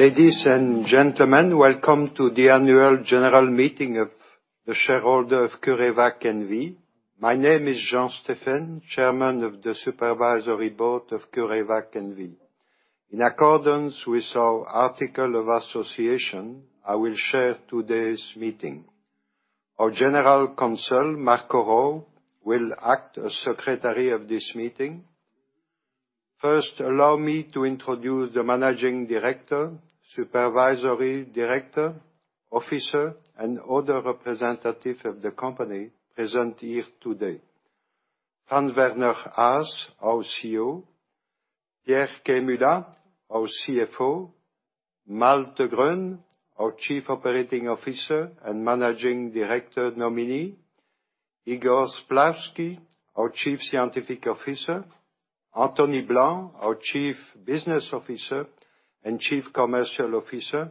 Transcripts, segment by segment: Ladies and gentlemen, welcome to the annual general meeting of the shareholders of CureVac N.V. My name is Jean Stéphenne, Chairman of the Supervisory Board of CureVac N.V. In accordance with our articles of association, I will chair today's meeting. Our General Counsel, Marco Rau, will act as secretary of this meeting. First, allow me to introduce the Managing Director, Supervisory Director, Officer, and other representative of the company present here today. Franz-Werner Haas, our CEO; Pierre Kemula, our CFO; Malte Greune, our Chief Operating Officer and Managing Director nominee; Igor Splawski, our Chief Scientific Officer; Antony Blanc, our Chief Business Officer and Chief Commercial Officer;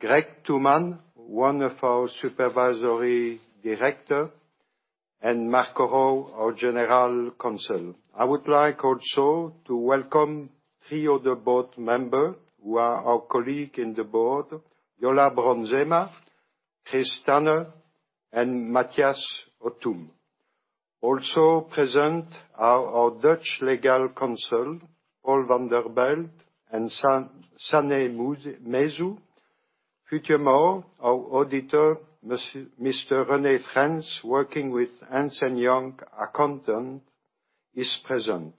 Craig Tooman, one of our Supervisory Directors; and Marco Rau, our General Counsel. I would like also to welcome three other board members who are our colleagues in the board, Viola Bronsema, Christopher Tanner, and Mathias Hothum. Also present are our Dutch Legal Counsel, Paul van der Bijl, and Sanne Mesu. Furthermore, our auditor, Mr. René Franz, working with Ernst & Young Accountants LLP, is present.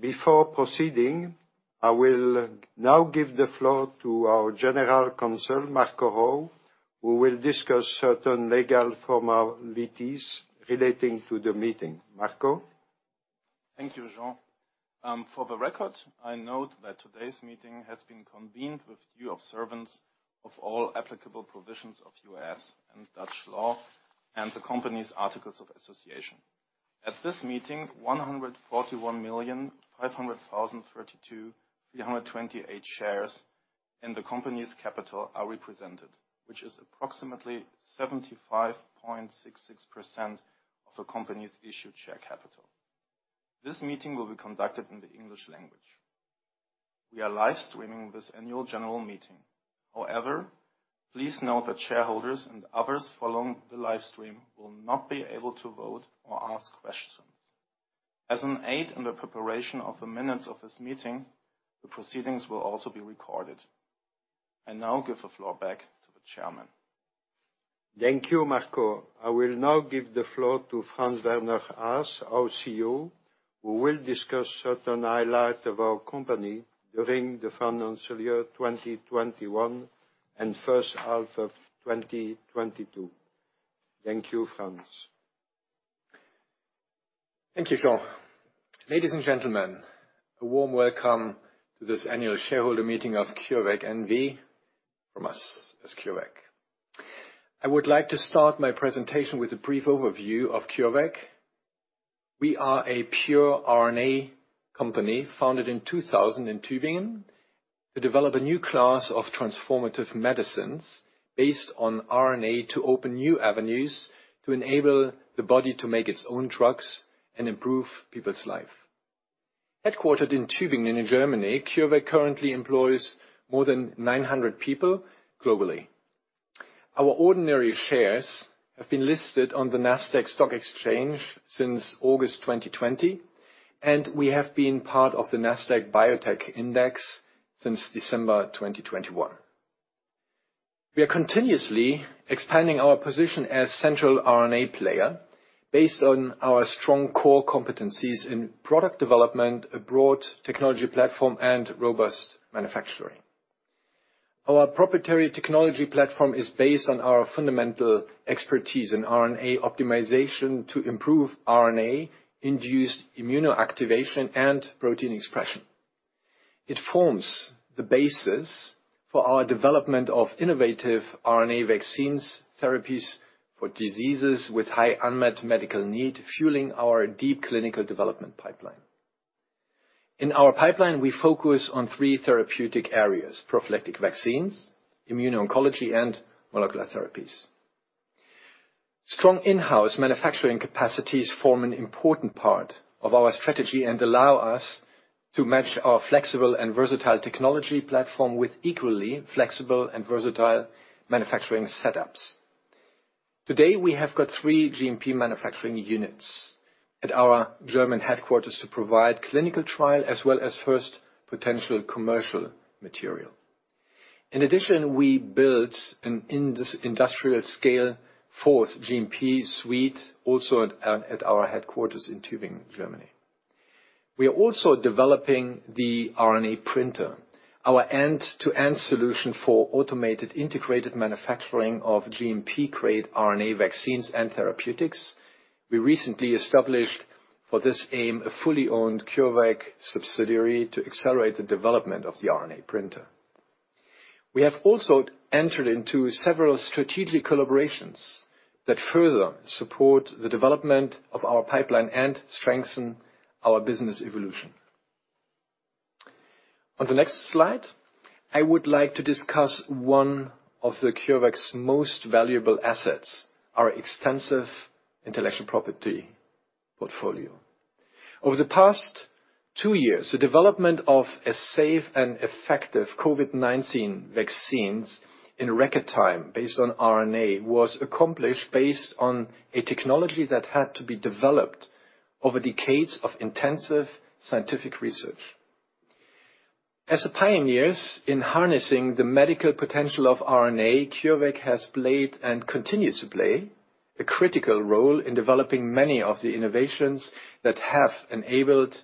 Before proceeding, I will now give the floor to our General Counsel, Marco Rau, who will discuss certain legal formalities relating to the meeting. Marco? Thank you, Jean. For the record, I note that today's meeting has been convened with due observance of all applicable provisions of U.S. and Dutch law and the company's articles of association. At this meeting, 141,500,032,328 shares in the company's capital are represented, which is approximately 75.66% of the company's issued share capital. This meeting will be conducted in the English language. We are live streaming this annual general meeting. However, please note that shareholders and others following the live stream will not be able to vote or ask questions. As an aid in the preparation of the minutes of this meeting, the proceedings will also be recorded. I now give the floor back to the chairman. Thank you, Marco. I will now give the floor to Franz-Werner Haas, our CEO, who will discuss certain highlights of our company during the financial year 2021 and first half of 2022. Thank you, Franz. Thank you, Jean. Ladies and gentlemen, a warm welcome to this annual shareholder meeting of CureVac N.V. from us as CureVac. I would like to start my presentation with a brief overview of CureVac. We are a pure RNA company, founded in 2000 in Tübingen, to develop a new class of transformative medicines based on RNA, to open new avenues to enable the body to make its own drugs and improve people's life. Headquartered in Tübingen, Germany, CureVac currently employs more than 900 people globally. Our ordinary shares have been listed on the Nasdaq Stock Exchange since August 2020, and we have been part of the NASDAQ Biotech Index since December 2021. We are continuously expanding our position as central RNA player based on our strong core competencies in product development, a broad technology platform, and robust manufacturing. Our proprietary technology platform is based on our fundamental expertise in RNA optimization to improve RNA-induced immunoactivation and protein expression. It forms the basis for our development of innovative RNA vaccines, therapies for diseases with high unmet medical need, fueling our deep clinical development pipeline. In our pipeline, we focus on three therapeutic areas: prophylactic vaccines, immuno-oncology, and molecular therapies. Strong in-house manufacturing capacities form an important part of our strategy and allow us to match our flexible and versatile technology platform with equally flexible and versatile manufacturing setups. Today, we have got three GMP manufacturing units at our German headquarters to provide clinical trial as well as first potential commercial material. In addition, we built an industrial scale fourth GMP suite, also at our headquarters in Tübingen, Germany. We are also developing the RNA printer, our end-to-end solution for automated, integrated manufacturing of GMP-grade RNA vaccines and therapeutics. We recently established, for this aim, a fully owned CureVac subsidiary to accelerate the development of the RNA printer. We have also entered into several strategic collaborations that further support the development of our pipeline and strengthen our business evolution. On the next slide, I would like to discuss one of the CureVac's most valuable assets, our extensive intellectual property portfolio. Over the past two years, the development of a safe and effective COVID-19 vaccines in record time, based on RNA, was accomplished based on a technology that had to be developed over decades of intensive scientific research. As the pioneers in harnessing the medical potential of RNA, CureVac has played and continues to play a critical role in developing many of the innovations that have enabled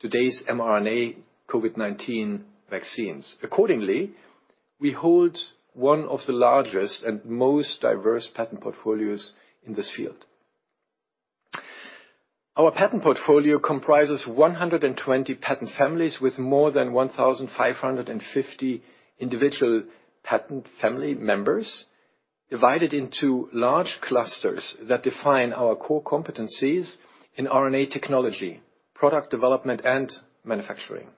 today's mRNA COVID-19 vaccines. Accordingly, we hold one of the largest and most diverse patent portfolios in this field. Our patent portfolio comprises 120 patent families, with more than 1,550 individual patent family members, divided into large clusters that define our core competencies in RNA technology, product development, and manufacturing.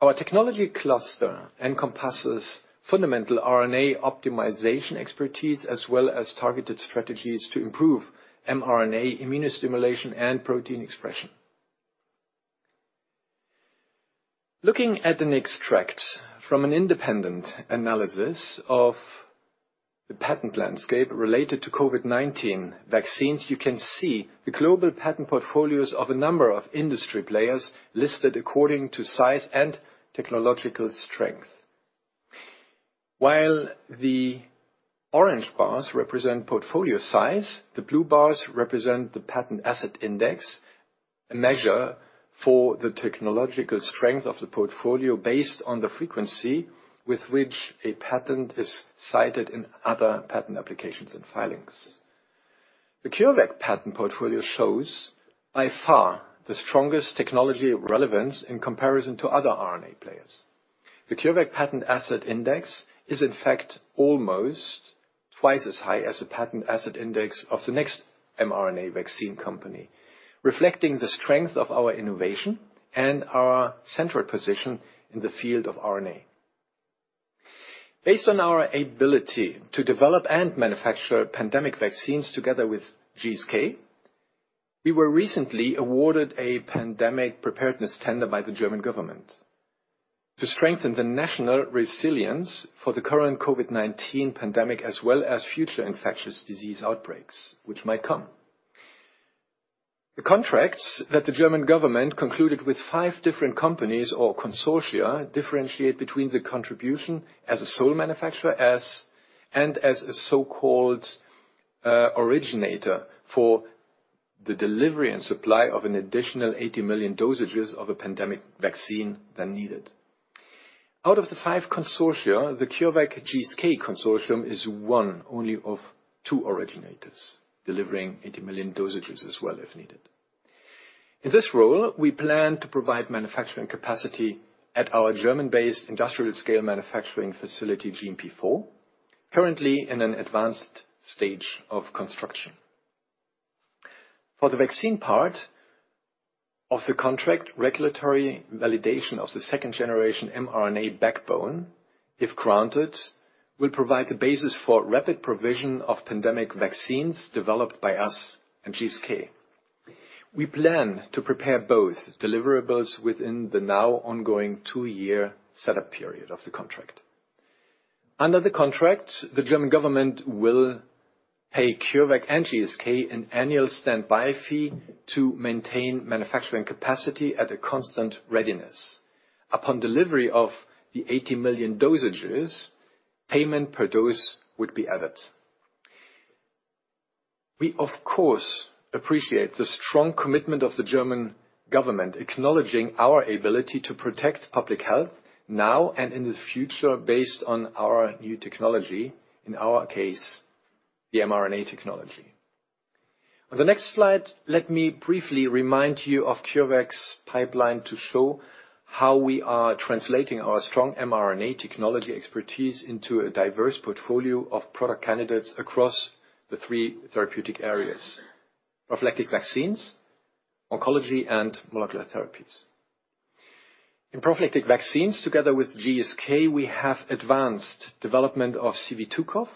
Our technology cluster encompasses fundamental RNA optimization expertise, as well as targeted strategies to improve mRNA immunostimulation and protein expression. Looking at an extract from an independent analysis of the patent landscape related to COVID-19 vaccines, you can see the global patent portfolios of a number of industry players listed according to size and technological strength. While the orange bars represent portfolio size, the blue bars represent the patent asset index, a measure for the technological strength of the portfolio based on the frequency with which a patent is cited in other patent applications and filings. The CureVac patent portfolio shows, by far, the strongest technology relevance in comparison to other RNA players. The CureVac Patent Asset Index is, in fact, almost twice as high as the Patent Asset Index of the next mRNA vaccine company, reflecting the strength of our innovation and our central position in the field of RNA. Based on our ability to develop and manufacture pandemic vaccines together with GSK, we were recently awarded a pandemic preparedness tender by the German government to strengthen the national resilience for the current COVID-19 pandemic, as well as future infectious disease outbreaks, which might come. The contracts that the German government concluded with 5 different companies or consortia differentiate between the contribution as a sole manufacturer, and as a so-called originator for the delivery and supply of an additional 80 million dosages of a pandemic vaccine when needed. Out of the 5 consortia, the CureVac GSK consortium is one only of 2 originators, delivering 80 million dosages as well, if needed. In this role, we plan to provide manufacturing capacity at our German-based industrial scale manufacturing facility, GMP IV, currently in an advanced stage of construction. For the vaccine part of the contract, regulatory validation of the second generation mRNA backbone, if granted, will provide the basis for rapid provision of pandemic vaccines developed by us and GSK. We plan to prepare both deliverables within the now ongoing 2-year setup period of the contract. Under the contract, the German government will pay CureVac and GSK an annual standby fee to maintain manufacturing capacity at a constant readiness. Upon delivery of the 80 million dosages, payment per dose would be added. We, of course, appreciate the strong commitment of the German government, acknowledging our ability to protect public health now and in the future, based on our new technology, in our case, the mRNA technology. On the next slide, let me briefly remind you of CureVac's pipeline to show how we are translating our strong mRNA technology expertise into a diverse portfolio of product candidates across the three therapeutic areas: prophylactic vaccines, oncology, and molecular therapies. In prophylactic vaccines, together with GSK, we have advanced development of CV2CoV,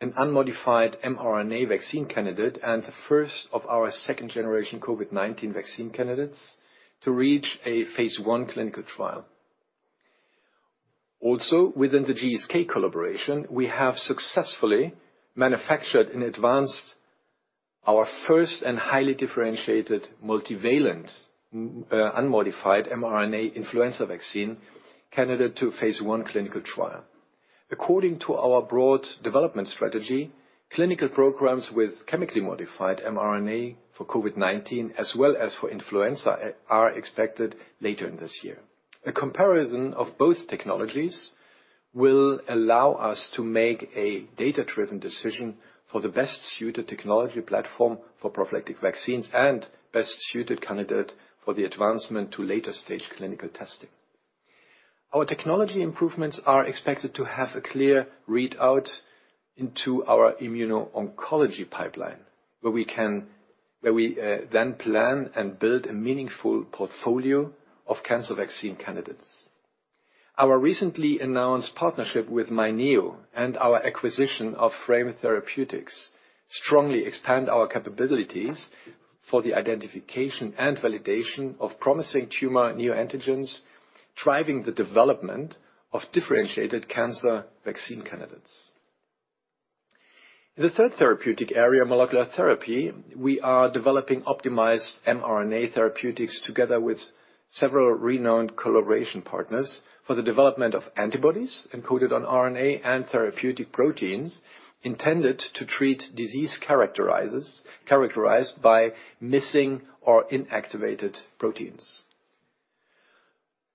an unmodified mRNA vaccine candidate, and the first of our second generation COVID-19 vaccine candidates to reach a phase I clinical trial. Also, within the GSK collaboration, we have successfully manufactured and advanced our first and highly differentiated multivalent unmodified mRNA influenza vaccine candidate to a phase I clinical trial. According to our broad development strategy, clinical programs with chemically modified mRNA for COVID-19, as well as for influenza, are expected later in this year. A comparison of both technologies will allow us to make a data-driven decision for the best-suited technology platform for prophylactic vaccines and best-suited candidate for the advancement to later stage clinical testing. Our technology improvements are expected to have a clear readout into our immuno-oncology pipeline, where we then plan and build a meaningful portfolio of cancer vaccine candidates. Our recently announced partnership with myNEO and our acquisition of Frame Cancer Therapeutics strongly expand our capabilities for the identification and validation of promising tumor neoantigens, driving the development of differentiated cancer vaccine candidates. The third therapeutic area, molecular therapy, we are developing optimized mRNA therapeutics together with several renowned collaboration partners, for the development of antibodies encoded on RNA and therapeutic proteins, intended to treat diseases characterized by missing or inactivated proteins.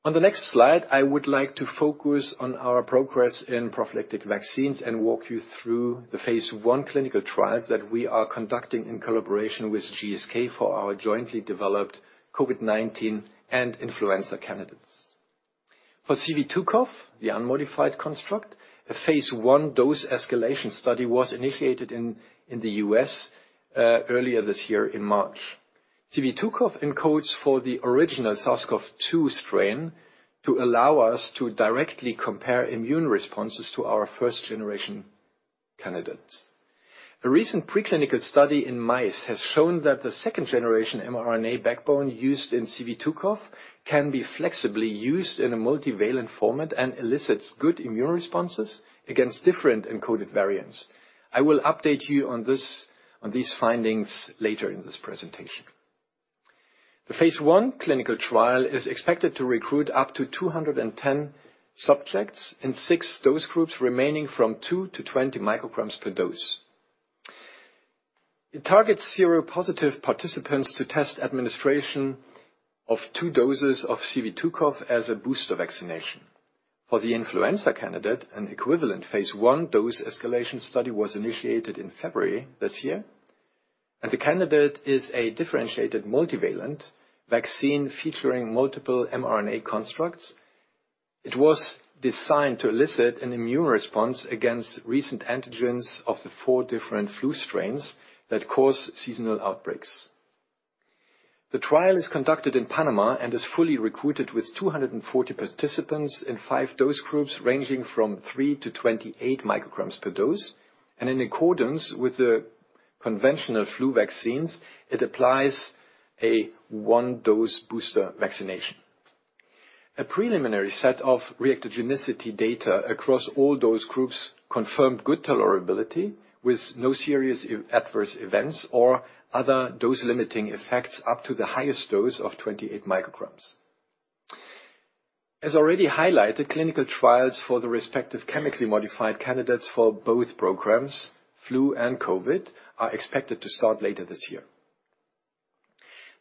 On the next slide, I would like to focus on our progress in prophylactic vaccines and walk you through the phase one clinical trials that we are conducting in collaboration with GSK for our jointly developed COVID-19 and influenza candidates. For CV2CoV, the unmodified construct, a phase one dose escalation study was initiated in the U.S. earlier this year in March. CV2CoV encodes for the original SARS-CoV-2 strain, to allow us to directly compare immune responses to our first generation candidates. A recent preclinical study in mice has shown that the second generation mRNA backbone used in CV2CoV can be flexibly used in a multivalent format and elicits good immune responses against different encoded variants. I will update you on this, on these findings later in this presentation. The phase 1 clinical trial is expected to recruit up to 210 subjects, in six dose groups, ranging from 2-20 mcg per dose. It targets seropositive participants to test administration of 2 doses of CV2CoV as a booster vaccination. For the influenza candidate, an equivalent phase 1 dose escalation study was initiated in February this year, and the candidate is a differentiated multivalent vaccine featuring multiple mRNA constructs. It was designed to elicit an immune response against recent antigens of the 4 different flu strains that cause seasonal outbreaks. The trial is conducted in Panama and is fully recruited with 240 participants in 5 dose groups, ranging from 3-28 mcg per dose, and in accordance with the conventional flu vaccines, it applies a 1-dose booster vaccination. A preliminary set of reactogenicity data across all dose groups confirmed good tolerability, with no serious adverse events or other dose-limiting effects up to the highest dose of 28 mcg. As already highlighted, clinical trials for the respective chemically modified candidates for both programs, flu and COVID, are expected to start later this year.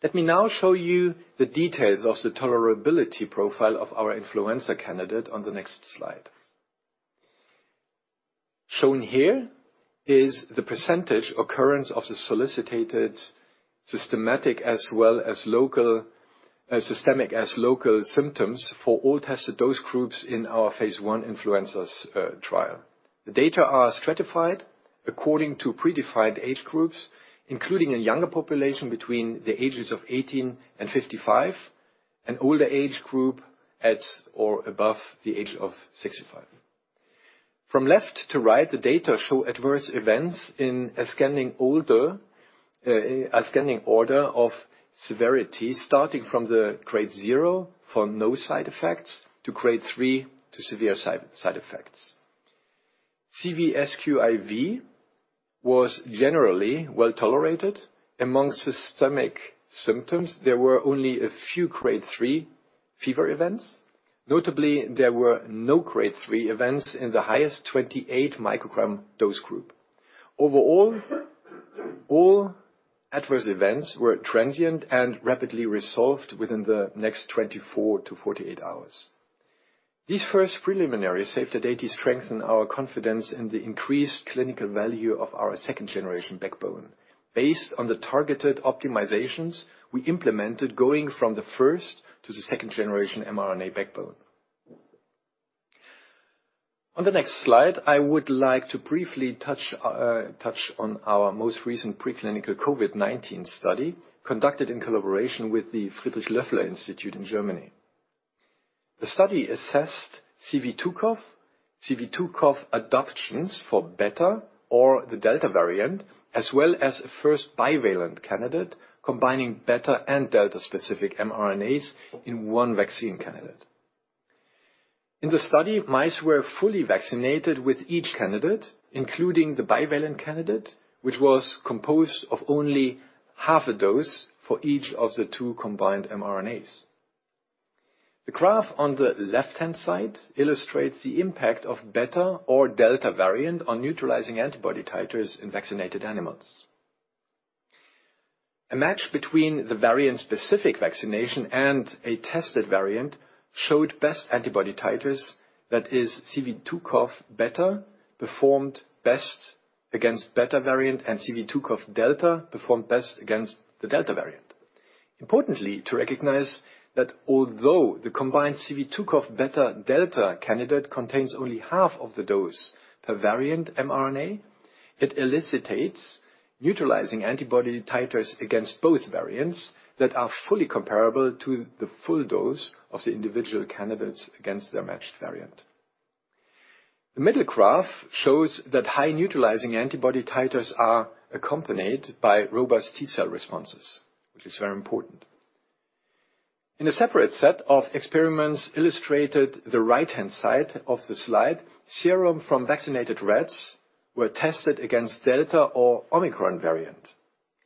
Let me now show you the details of the tolerability profile of our influenza candidate on the next slide. Shown here is the percentage occurrence of the solicited, systemic, as well as local symptoms for all tested dose groups in our phase 1 influenza trial. The data are stratified according to predefined age groups, including a younger population between the ages of 18 and 55, and older age group at or above the age of 65. From left to right, the data show adverse events in ascending order of severity, starting from the grade 0 for no side effects, to grade 3 to severe side effects. CVSQIV was generally well tolerated. Among systemic symptoms, there were only a few grade 3 fever events. Notably, there were no grade 3 events in the highest 28 microgram dose group. Overall, all adverse events were transient and rapidly resolved within the next 24-48 hours. These first preliminary safety data strengthen our confidence in the increased clinical value of our second generation backbone. Based on the targeted optimizations, we implemented going from the first to the second generation mRNA backbone. On the next slide, I would like to briefly touch on our most recent preclinical COVID-19 study, conducted in collaboration with the Friedrich-Loeffler-Institut in Germany. The study assessed CV2CoV, CV2CoV adaptations for Beta or the Delta variant, as well as a first bivalent candidate, combining Beta and Delta-specific mRNAs in one vaccine candidate. In the study, mice were fully vaccinated with each candidate, including the bivalent candidate, which was composed of only half a dose for each of the two combined mRNAs. The graph on the left-hand side illustrates the impact of Beta or Delta variant on neutralizing antibody titers in vaccinated animals. A match between the variant-specific vaccination and a tested variant showed best antibody titers, that is CV2CoV Beta performed best against Beta variant, and CV2CoV Delta performed best against the Delta variant. Importantly, to recognize that although the combined CV2CoV Beta Delta candidate contains only half of the dose per variant mRNA. It elicits neutralizing antibody titers against both variants that are fully comparable to the full dose of the individual candidates against their matched variant. The middle graph shows that high neutralizing antibody titers are accompanied by robust T-cell responses, which is very important. In a separate set of experiments, illustrated the right-hand side of the slide, serum from vaccinated rats were tested against Delta or Omicron variant.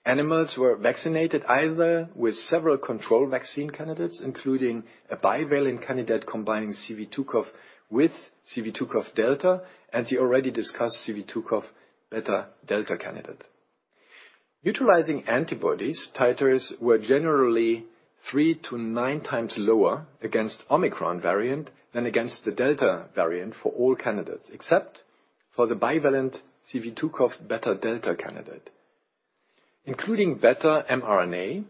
Animals were vaccinated either with several control vaccine candidates, including a bivalent candidate combining CV2CoV with CV2CoV Delta, and the already discussed CV2CoV Beta Delta candidate. Utilizing antibodies, titers were generally 3x-9x lower against Omicron variant than against the Delta variant for all candidates, except for the bivalent CV2CoV Beta Delta candidate. Including Beta mRNA,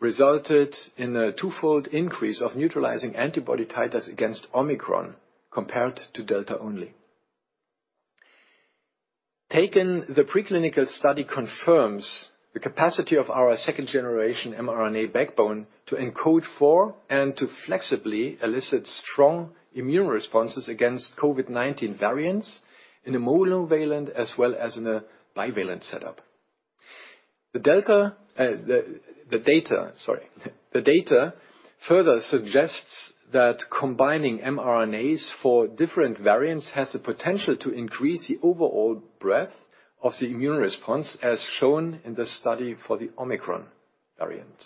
resulted in a twofold increase of neutralizing antibody titers against Omicron, compared to Delta only. Taken, the preclinical study confirms the capacity of our second generation mRNA backbone to encode for and to flexibly elicit strong immune responses against COVID-19 variants in a monovalent, as well as in a bivalent setup. The data further suggests that combining mRNAs for different variants has the potential to increase the overall breadth of the immune response, as shown in the study for the Omicron variant.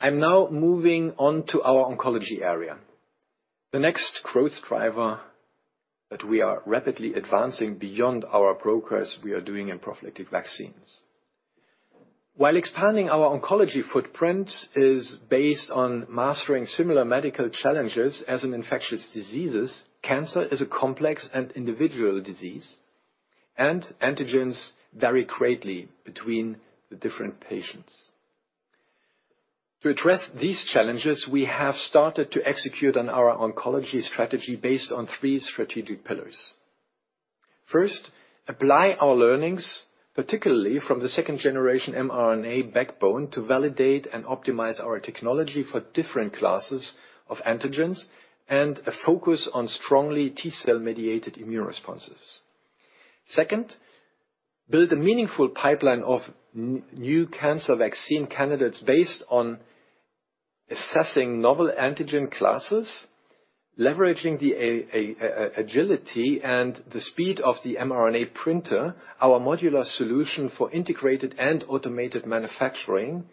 I'm now moving on to our oncology area, the next growth driver that we are rapidly advancing beyond our progress we are doing in prophylactic vaccines. While expanding our oncology footprint is based on mastering similar medical challenges as in infectious diseases, cancer is a complex and individual disease, and antigens vary greatly between the different patients. To address these challenges, we have started to execute on our oncology strategy based on three strategic pillars. First, apply our learnings, particularly from the second-generation mRNA backbone, to validate and optimize our technology for different classes of antigens, and a focus on strongly T-cell-mediated immune responses. Second, build a meaningful pipeline of new cancer vaccine candidates based on assessing novel antigen classes, leveraging the agility and the speed of the mRNA printer, our modular solution for integrated and automated manufacturing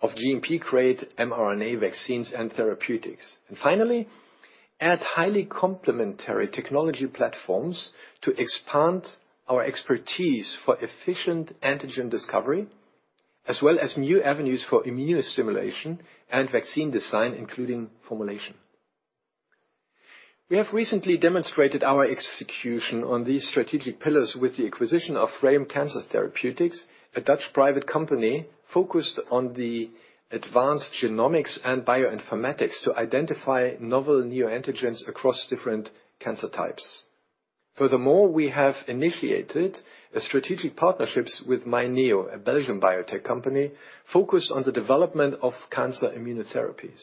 of GMP-grade mRNA vaccines and therapeutics. And finally, add highly complementary technology platforms to expand our expertise for efficient antigen discovery, as well as new avenues for immune stimulation and vaccine design, including formulation. We have recently demonstrated our execution on these strategic pillars with the acquisition of Frame Cancer Therapeutics, a Dutch private company focused on the advanced genomics and bioinformatics to identify novel neoantigens across different cancer types. Furthermore, we have initiated a strategic partnerships with myNEO, a Belgian biotech company, focused on the development of cancer immunotherapies.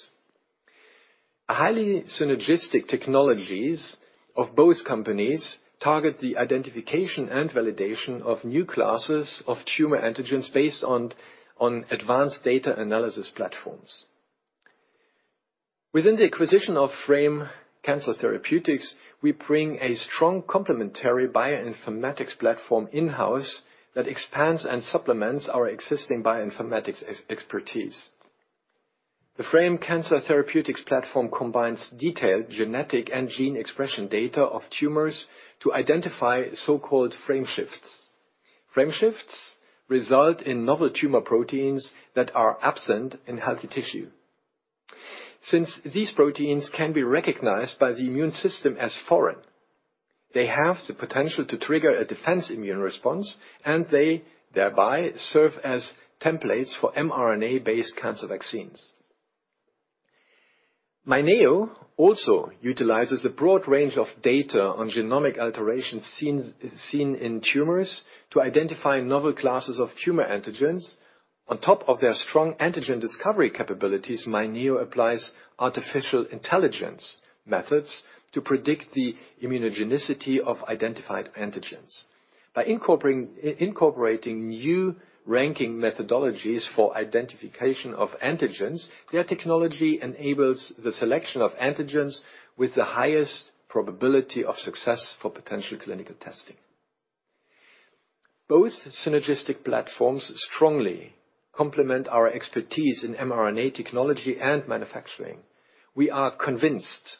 A highly synergistic technologies of both companies target the identification and validation of new classes of tumor antigens based on advanced data analysis platforms. Within the acquisition of Frame Cancer Therapeutics, we bring a strong complementary bioinformatics platform in-house that expands and supplements our existing bioinformatics expertise. The Frame Cancer Therapeutics platform combines detailed genetic and gene expression data of tumors to identify so-called frame shifts. Frame shifts result in novel tumor proteins that are absent in healthy tissue. Since these proteins can be recognized by the immune system as foreign, they have the potential to trigger a defense immune response, and they thereby serve as templates for mRNA-based cancer vaccines. myNEO also utilizes a broad range of data on genomic alterations, sequences seen in tumors to identify novel classes of tumor antigens. On top of their strong antigen discovery capabilities, myNEO applies artificial intelligence methods to predict the immunogenicity of identified antigens. By incorporating new ranking methodologies for identification of antigens, their technology enables the selection of antigens with the highest probability of success for potential clinical testing. Both synergistic platforms strongly complement our expertise in mRNA technology and manufacturing. We are convinced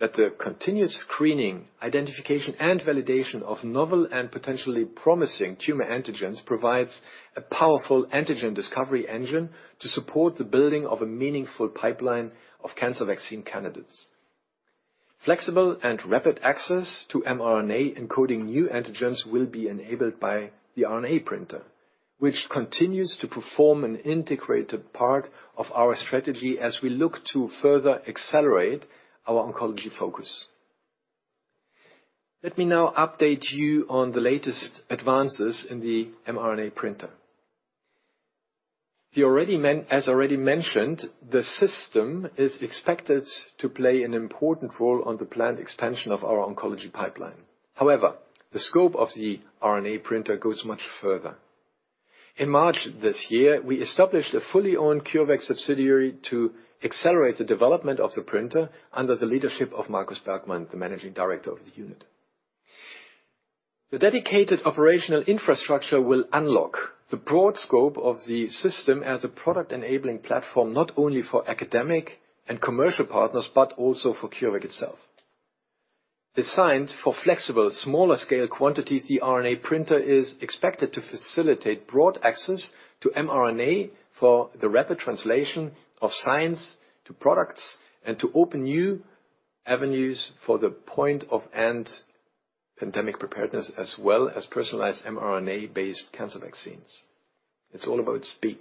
that the continuous screening, identification, and validation of novel and potentially promising tumor antigens provides a powerful antigen discovery engine to support the building of a meaningful pipeline of cancer vaccine candidates. Flexible and rapid access to mRNA, encoding new antigens, will be enabled by the RNA Printer, which continues to perform an integrated part of our strategy as we look to further accelerate our oncology focus. Let me now update you on the latest advances in the mRNA Printer. As already mentioned, the system is expected to play an important role on the planned expansion of our oncology pipeline. However, the scope of the RNA Printer goes much further. In March this year, we established a fully owned CureVac subsidiary to accelerate the development of the printer under the leadership of Marcus Bergmann, the managing director of the unit. The dedicated operational infrastructure will unlock the broad scope of the system as a product-enabling platform, not only for academic and commercial partners, but also for CureVac itself. Designed for flexible, smaller scale quantities, the RNA printer is expected to facilitate broad access to mRNA for the rapid translation of science to products, and to open new avenues for the point of end pandemic preparedness, as well as personalized mRNA-based cancer vaccines. It's all about speed.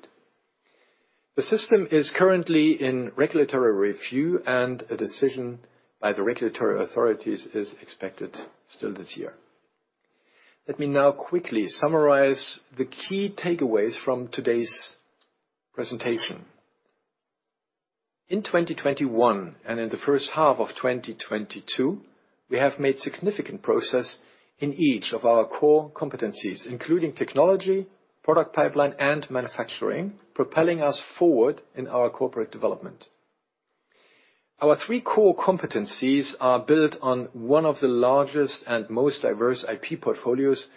The system is currently in regulatory review, and a decision by the regulatory authorities is expected still this year. Let me now quickly summarize the key takeaways from today's presentation. In 2021, and in the first half of 2022, we have made significant progress in each of our core competencies, including technology, product pipeline, and manufacturing, propelling us forward in our corporate development. Our three core competencies are built on one of the largest and most diverse IP portfolios,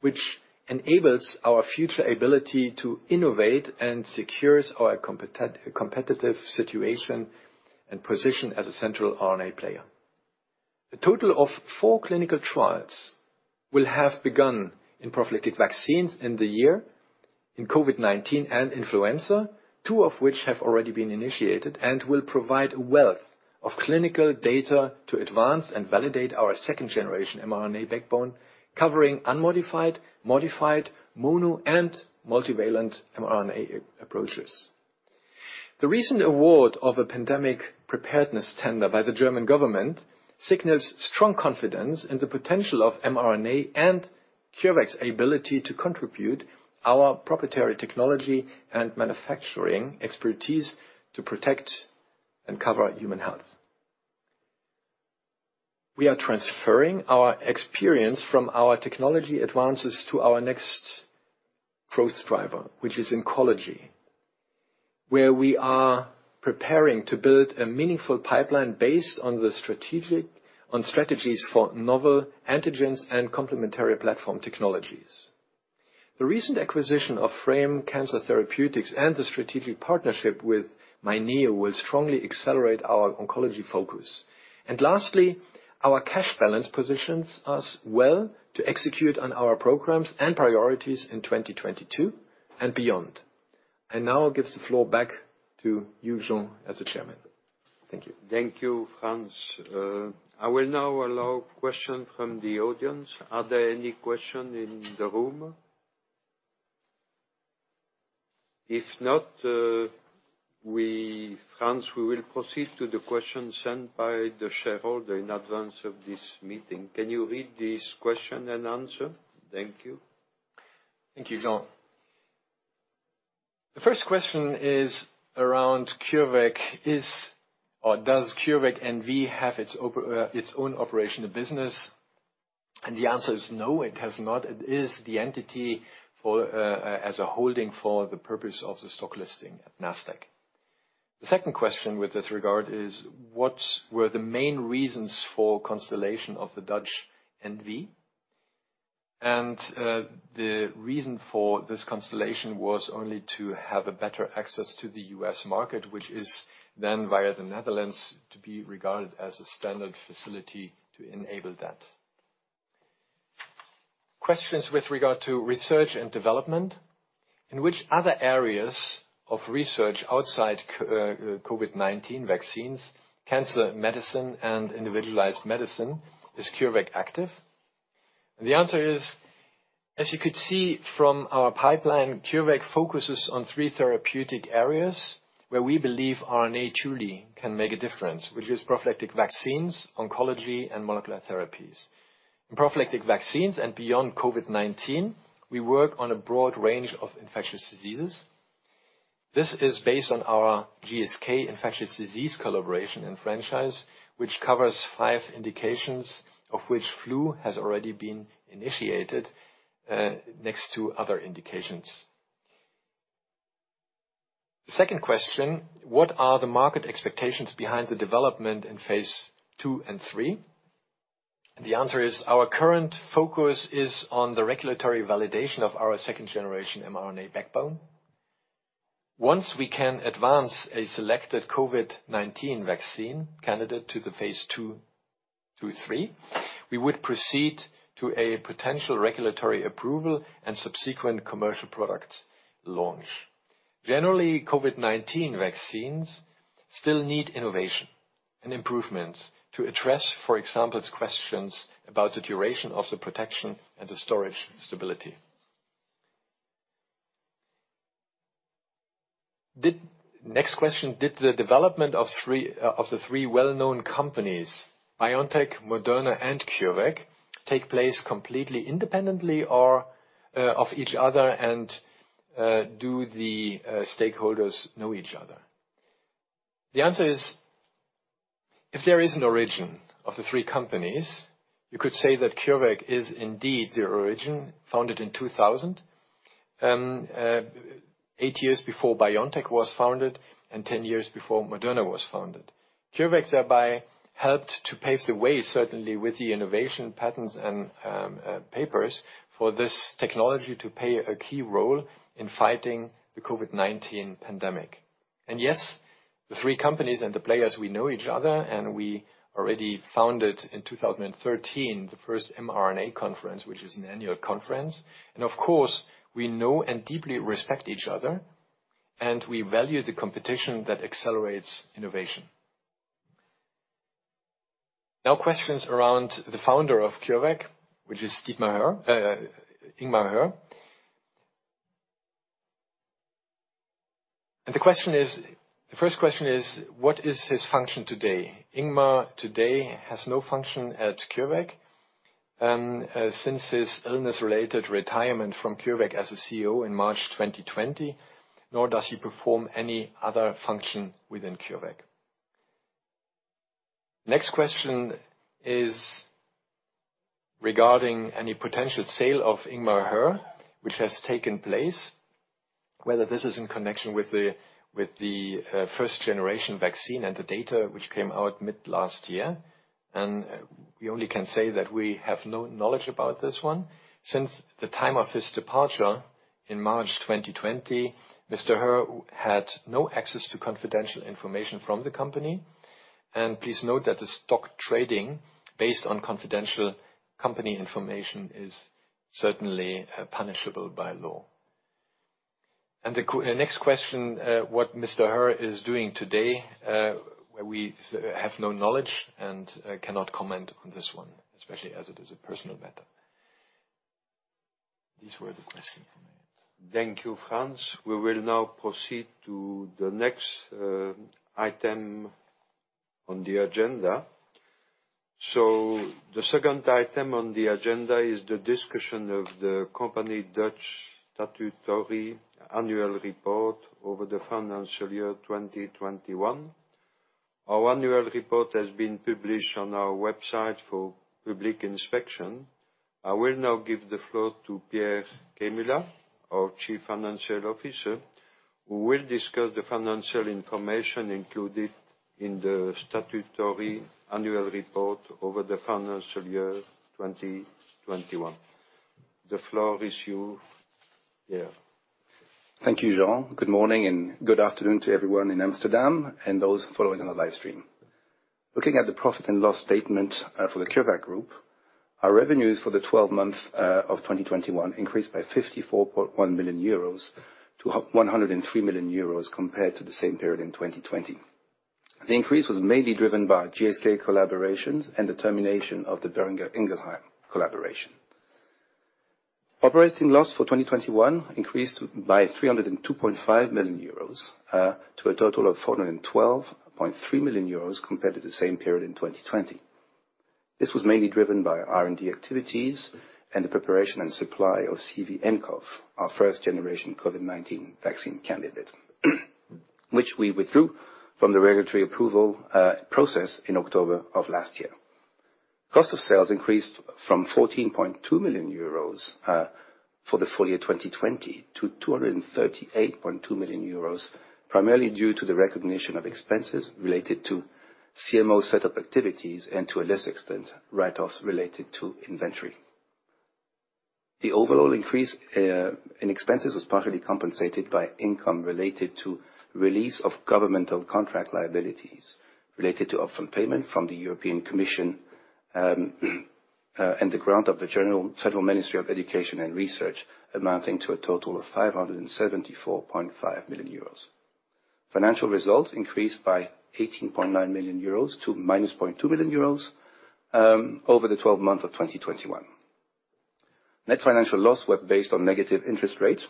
which enables our future ability to innovate and secures our competitive situation and position as a central RNA player. A total of four clinical trials will have begun in prophylactic vaccines in the year, in COVID-19 and influenza, two of which have already been initiated, and will provide a wealth of clinical data to advance and validate our second generation mRNA backbone, covering unmodified, modified, mono, and multivalent mRNA approaches. The recent award of a pandemic preparedness tender by the German government signals strong confidence in the potential of mRNA and CureVac's ability to contribute our proprietary technology and manufacturing expertise to protect and cover human health. We are transferring our experience from our technology advances to our next growth driver, which is oncology, where we are preparing to build a meaningful pipeline based on the strategic on strategies for novel antigens and complementary platform technologies. The recent acquisition of Frame Cancer Therapeutics and the strategic partnership with myNEO will strongly accelerate our oncology focus. Lastly, our cash balance positions us well to execute on our programs and priorities in 2022 and beyond. I now give the floor back to you, Jean, as the Chairman. Thank you. Thank you, Franz. I will now allow questions from the audience. Are there any questions in the room? If not, we, Franz, we will proceed to the questions sent by the shareholder in advance of this meeting. Can you read this question and answer? Thank you. Thank you, Jean. The first question is around CureVac. Is or does CureVac N.V. have its ops, its own operational business? And the answer is no, it has not. It is the entity for, as a holding for the purpose of the stock listing at Nasdaq. The second question with this regard is: What were the main reasons for constitution of the Dutch N.V.? And, the reason for this constitution was only to have a better access to the U.S. market, which is then via the Netherlands, to be regarded as a standard facility to enable that. Questions with regard to research and development. In which other areas of research outside COVID-19 vaccines, cancer medicine, and individualized medicine, is CureVac active? The answer is, as you could see from our pipeline, CureVac focuses on 3 therapeutic areas where we believe RNA truly can make a difference, which is prophylactic vaccines, oncology, and molecular therapies. In prophylactic vaccines and beyond COVID-19, we work on a broad range of infectious diseases. This is based on our GSK infectious disease collaboration and franchise, which covers 5 indications, of which flu has already been initiated, next to other indications. The second question: What are the market expectations behind the development in phase 2 and 3? The answer is, our current focus is on the regulatory validation of our second generation mRNA backbone. Once we can advance a selected COVID-19 vaccine candidate to the phase 2-3, we would proceed to a potential regulatory approval and subsequent commercial product launch. Generally, COVID-19 vaccines still need innovation and improvements to address, for example, questions about the duration of the protection and the storage stability. Next question: Did the development of three of the three well-known companies, BioNTech, Moderna, and CureVac, take place completely independently or of each other, and do the stakeholders know each other? The answer is, if there is an origin of the three companies, you could say that CureVac is indeed the origin, founded in 2008, 8 years before BioNTech was founded and 10 years before Moderna was founded. CureVac, thereby, helped to pave the way, certainly with the innovation patterns and papers, for this technology to play a key role in fighting the COVID-19 pandemic. Yes, the three companies and the players, we know each other, and we already founded, in 2013, the first mRNA conference, which is an annual conference. And of course, we know and deeply respect each other, and we value the competition that accelerates innovation. Now, questions around the founder of CureVac, which is Dietmar Hopp, Ingmar Hoerr. The first question is: What is his function today? Ingmar today has no function at CureVac, since his illness-related retirement from CureVac as a CEO in March 2020, nor does he perform any other function within CureVac. Next question is regarding any potential sale of Ingmar Hoerr, which has taken place, whether this is in connection with the first-generation vaccine and the data which came out mid last year. And, we only can say that we have no knowledge about this one. Since the time of his departure in March 2020, Mr. Hoerr had no access to confidential information from the company. Please note that the stock trading based on confidential company information is certainly punishable by law. The next question, what Mr. Hoerr is doing today, we have no knowledge and cannot comment on this one, especially as it is a personal matter. These were the questions from it. Thank you, Franz. We will now proceed to the next item on the agenda. The second item on the agenda is the discussion of the company Dutch statutory annual report over the financial year 2021. Our annual report has been published on our website for public inspection. I will now give the floor to Pierre Kemula, our Chief Financial Officer, who will discuss the financial information included in the statutory annual report over the financial year 2021. The floor is you, Pierre. Thank you, Jean. Good morning, and good afternoon to everyone in Amsterdam and those following on the live stream. Looking at the profit and loss statement for the CureVac group, our revenues for the 12 months of 2021 increased by 54.1 million-103 million euros, compared to the same period in 2020. The increase was mainly driven by GSK collaborations and the termination of the Boehringer Ingelheim collaboration. Operating loss for 2021 increased by 302.5 million euros to a total of 412.3 million euros compared to the same period in 2020. This was mainly driven by R&D activities and the preparation and supply of CVnCoV, our first-generation COVID-19 vaccine candidate, which we withdrew from the regulatory approval process in October of last year. Cost of sales increased from 14.2 million euros for the full year 2020 to 238.2 million euros, primarily due to the recognition of expenses related to CMO setup activities and, to a less extent, write-offs related to inventory. The overall increase in expenses was partially compensated by income related to release of governmental contract liabilities related to upfront payment from the European Commission and the grant of the German Federal Ministry of Education and Research, amounting to a total of 574.5 million euros. Financial results increased by 18.9 million euros to -0.2 million euros over the 12 months of 2021. Net financial loss was based on negative interest rates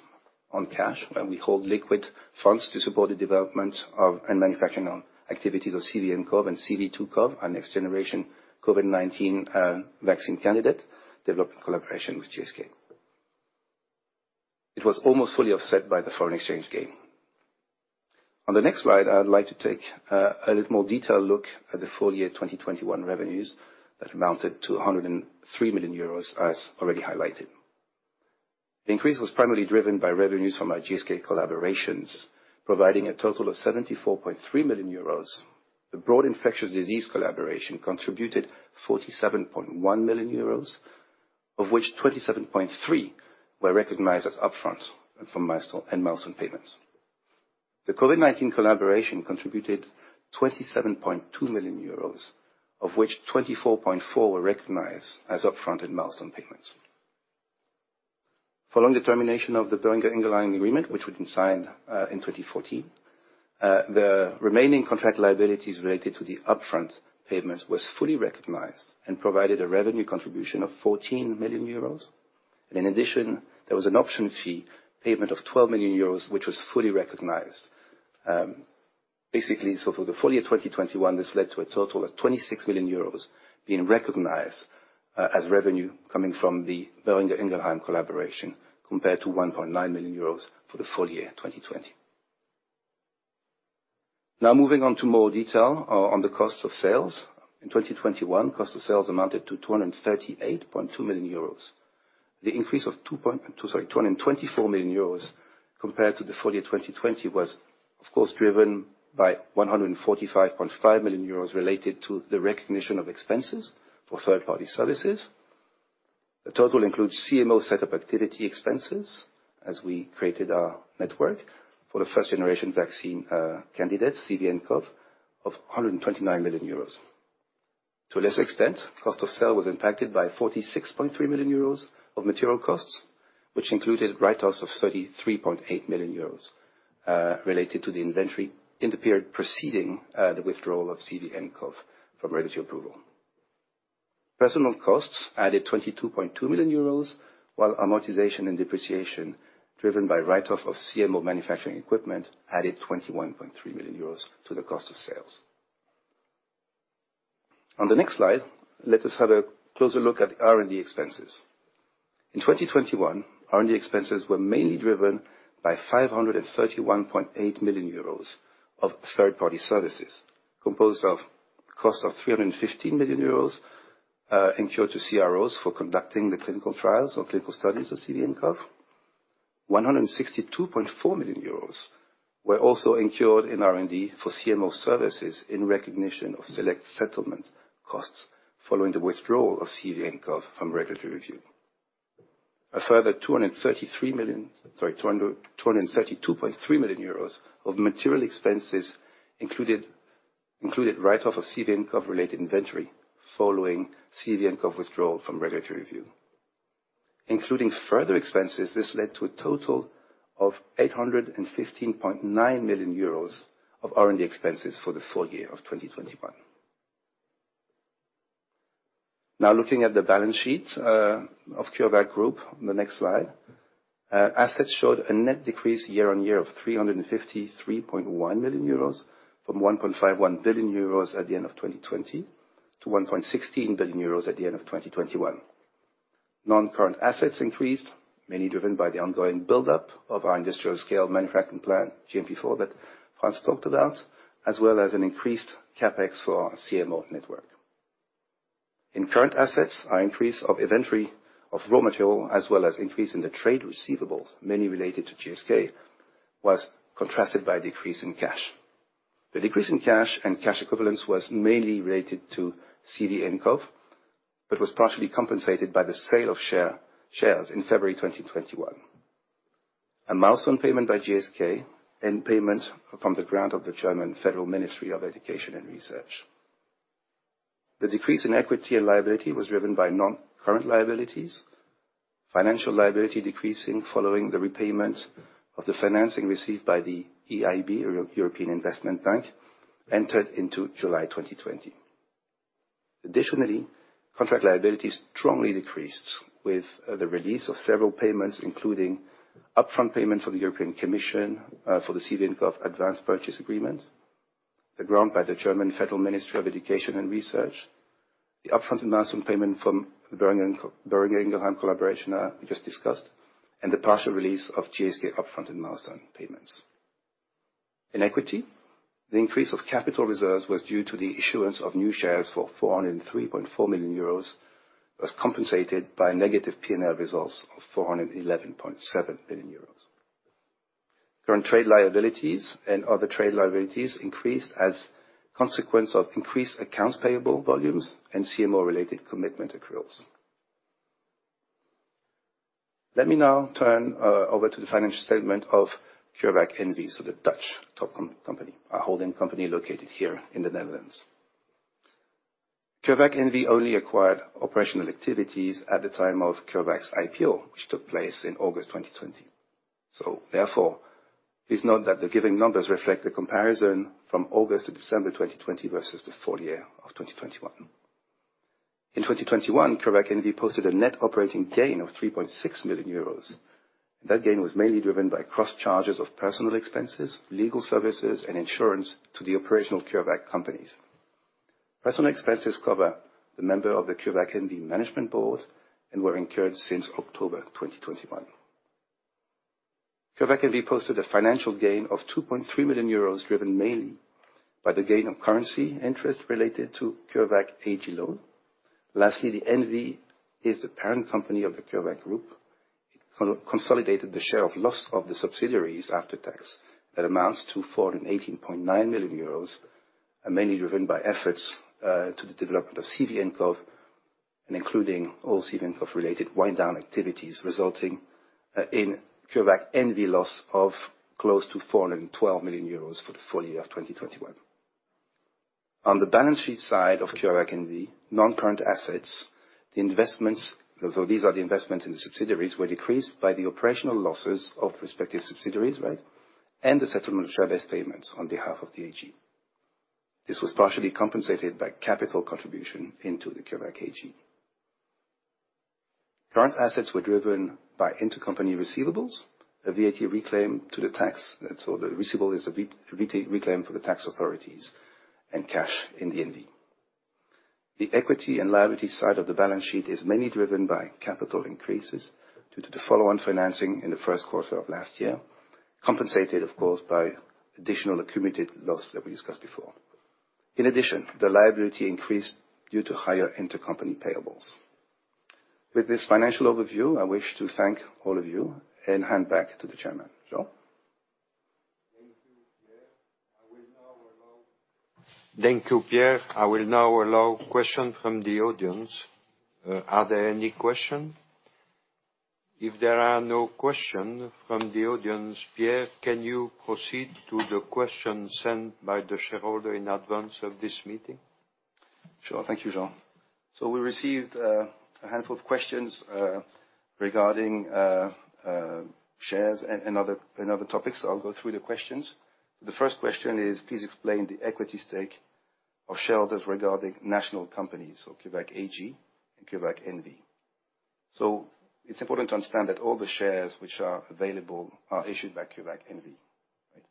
on cash, where we hold liquid funds to support the development of, and manufacturing on, activities of CVnCoV and CV2CoV, our next-generation COVID-19 vaccine candidate, developed in collaboration with GSK. It was almost fully offset by the foreign exchange gain. On the next slide, I would like to take a little more detailed look at the full year 2021 revenues that amounted to 103 million euros, as already highlighted. The increase was primarily driven by revenues from our GSK collaborations, providing a total of 74.3 million euros. The broad infectious disease collaboration contributed 47.1 million euros, of which 27.3 were recognized as upfront and from milestone, and milestone payments. The COVID-19 collaboration contributed 27.2 million euros, of which 24.4 million were recognized as upfront and milestone payments. Following the termination of the Boehringer Ingelheim agreement, which we signed in 2014, the remaining contract liabilities related to the upfront payment was fully recognized and provided a revenue contribution of 14 million euros. And in addition, there was an option fee payment of 12 million euros, which was fully recognized. Basically, so for the full year 2021, this led to a total of 26 million euros being recognized as revenue coming from the Boehringer Ingelheim collaboration, compared to 1.9 million euros for the full year of 2020. Now, moving on to more detail on the cost of sales. In 2021, cost of sales amounted to 238.2 million euros. The increase of 224 million euros compared to the full year 2020 was, of course, driven by 145.5 million euros related to the recognition of expenses for third-party services. The total includes CMO set-up activity expenses, as we created our network for the first-generation vaccine candidate, CVnCoV, of 129 million euros. To a lesser extent, cost of sales was impacted by 46.3 million euros of material costs, which included write-offs of 33.8 million euros related to the inventory in the period preceding the withdrawal of CVnCoV from regulatory approval. Personnel costs added 22.2 million euros, while amortization and depreciation, driven by write-off of CMO manufacturing equipment, added 21.3 million euros to the cost of sales. On the next slide, let us have a closer look at R&D expenses. In 2021, R&D expenses were mainly driven by 531.8 million euros of third-party services, composed of cost of 315 million euros incurred to CROs for conducting the clinical trials or clinical studies of CVnCoV. 162.4 million euros were also incurred in R&D for CMO services in recognition of select settlement costs following the withdrawal of CVnCoV from regulatory review. A further 232.3 million euros of material expenses included write-off of CVnCoV related inventory following CVnCoV withdrawal from regulatory review. Including further expenses, this led to a total of 815.9 million euros of R&D expenses for the full year of 2021. Now, looking at the balance sheet of CureVac Group on the next slide. Assets showed a net decrease year-over-year of 353.1 million euros, from 1.51 billion euros at the end of 2020 to 1.16 billion euros at the end of 2021. Non-current assets increased, mainly driven by the ongoing build-up of our industrial-scale manufacturing plant, GMP4, that Frans talked about, as well as an increased CapEx for our CMO network. In current assets, our increase of inventory of raw material, as well as increase in the trade receivables, mainly related to GSK, was contrasted by a decrease in cash. The decrease in cash and cash equivalents was mainly related to CVnCoV, but was partially compensated by the sale of share, shares in February 2021, a milestone payment by GSK, and payment from the grant of the German Federal Ministry of Education and Research. The decrease in equity and liabilities was driven by non-current liabilities, financial liabilities decreasing following the repayment of the financing received by the EIB, or European Investment Bank, entered into July 2020. Additionally, contract liabilities strongly decreased with the release of several payments, including upfront payment from the European Commission for the CVnCoV advance purchase agreement, the grant by the German Federal Ministry of Education and Research, the upfront and milestone payment from the Boehringer Ingelheim collaboration we just discussed, and the partial release of GSK upfront and milestone payments. In equity, the increase of capital reserves was due to the issuance of new shares for 403.4 million euros, was compensated by negative P&L results of 411.7 million euros. Current trade liabilities and other trade liabilities increased as consequence of increased accounts payable volumes and CMO-related commitment accruals. Let me now turn over to the financial statement of CureVac N.V., so the Dutch top company, our holding company located here in the Netherlands. CureVac N.V. only acquired operational activities at the time of CureVac's IPO, which took place in August 2020. So therefore, please note that the given numbers reflect the comparison from August to December 2020 versus the full year of 2021. In 2021, CureVac N.V. posted a net operating gain of 3.6 million euros. That gain was mainly driven by cross-charges of personal expenses, legal services, and insurance to the operational CureVac companies. Personal expenses cover the member of the CureVac N.V. management board and were incurred since October 2021. CureVac N.V. posted a financial gain of 2.3 million euros, driven mainly by the gain of currency interest related to CureVac AG loan. Lastly, the N.V. is the parent company of the CureVac Group, consolidated the share of loss of the subsidiaries after tax. That amounts to 418.9 million euros, and mainly driven by efforts to the development of CVnCoV, and including all CVnCoV-related wind down activities, resulting in CureVac N.V. loss of close to 412 million euros for the full year of 2021. On the balance sheet side of CureVac N.V., non-current assets, the investments, so these are the investments in the subsidiaries, were decreased by the operational losses of respective subsidiaries, right? And the settlement of service payments on behalf of the AG. This was partially compensated by capital contribution into the CureVac AG. Current assets were driven by intercompany receivables, a VAT reclaim to the tax, so the receivable is a VAT reclaim for the tax authorities and cash in the N.V. The equity and liability side of the balance sheet is mainly driven by capital increases due to the follow-on financing in the first quarter of last year, compensated, of course, by additional accumulated loss that we discussed before. In addition, the liability increased due to higher intercompany payables. With this financial overview, I wish to thank all of you and hand back to the chairman. Jean? Thank you, Pierre. I will now allow questions from the audience. Are there any questions? If there are no questions from the audience, Pierre, can you proceed to the questions sent by the shareholder in advance of this meeting? Sure. Thank you, Jean. We received a handful of questions regarding shares and other topics. I'll go through the questions. The first question is: Please explain the equity stake of shareholders regarding national companies, so CureVac AG and CureVac N.V. It's important to understand that all the shares which are available are issued by CureVac N.V., right?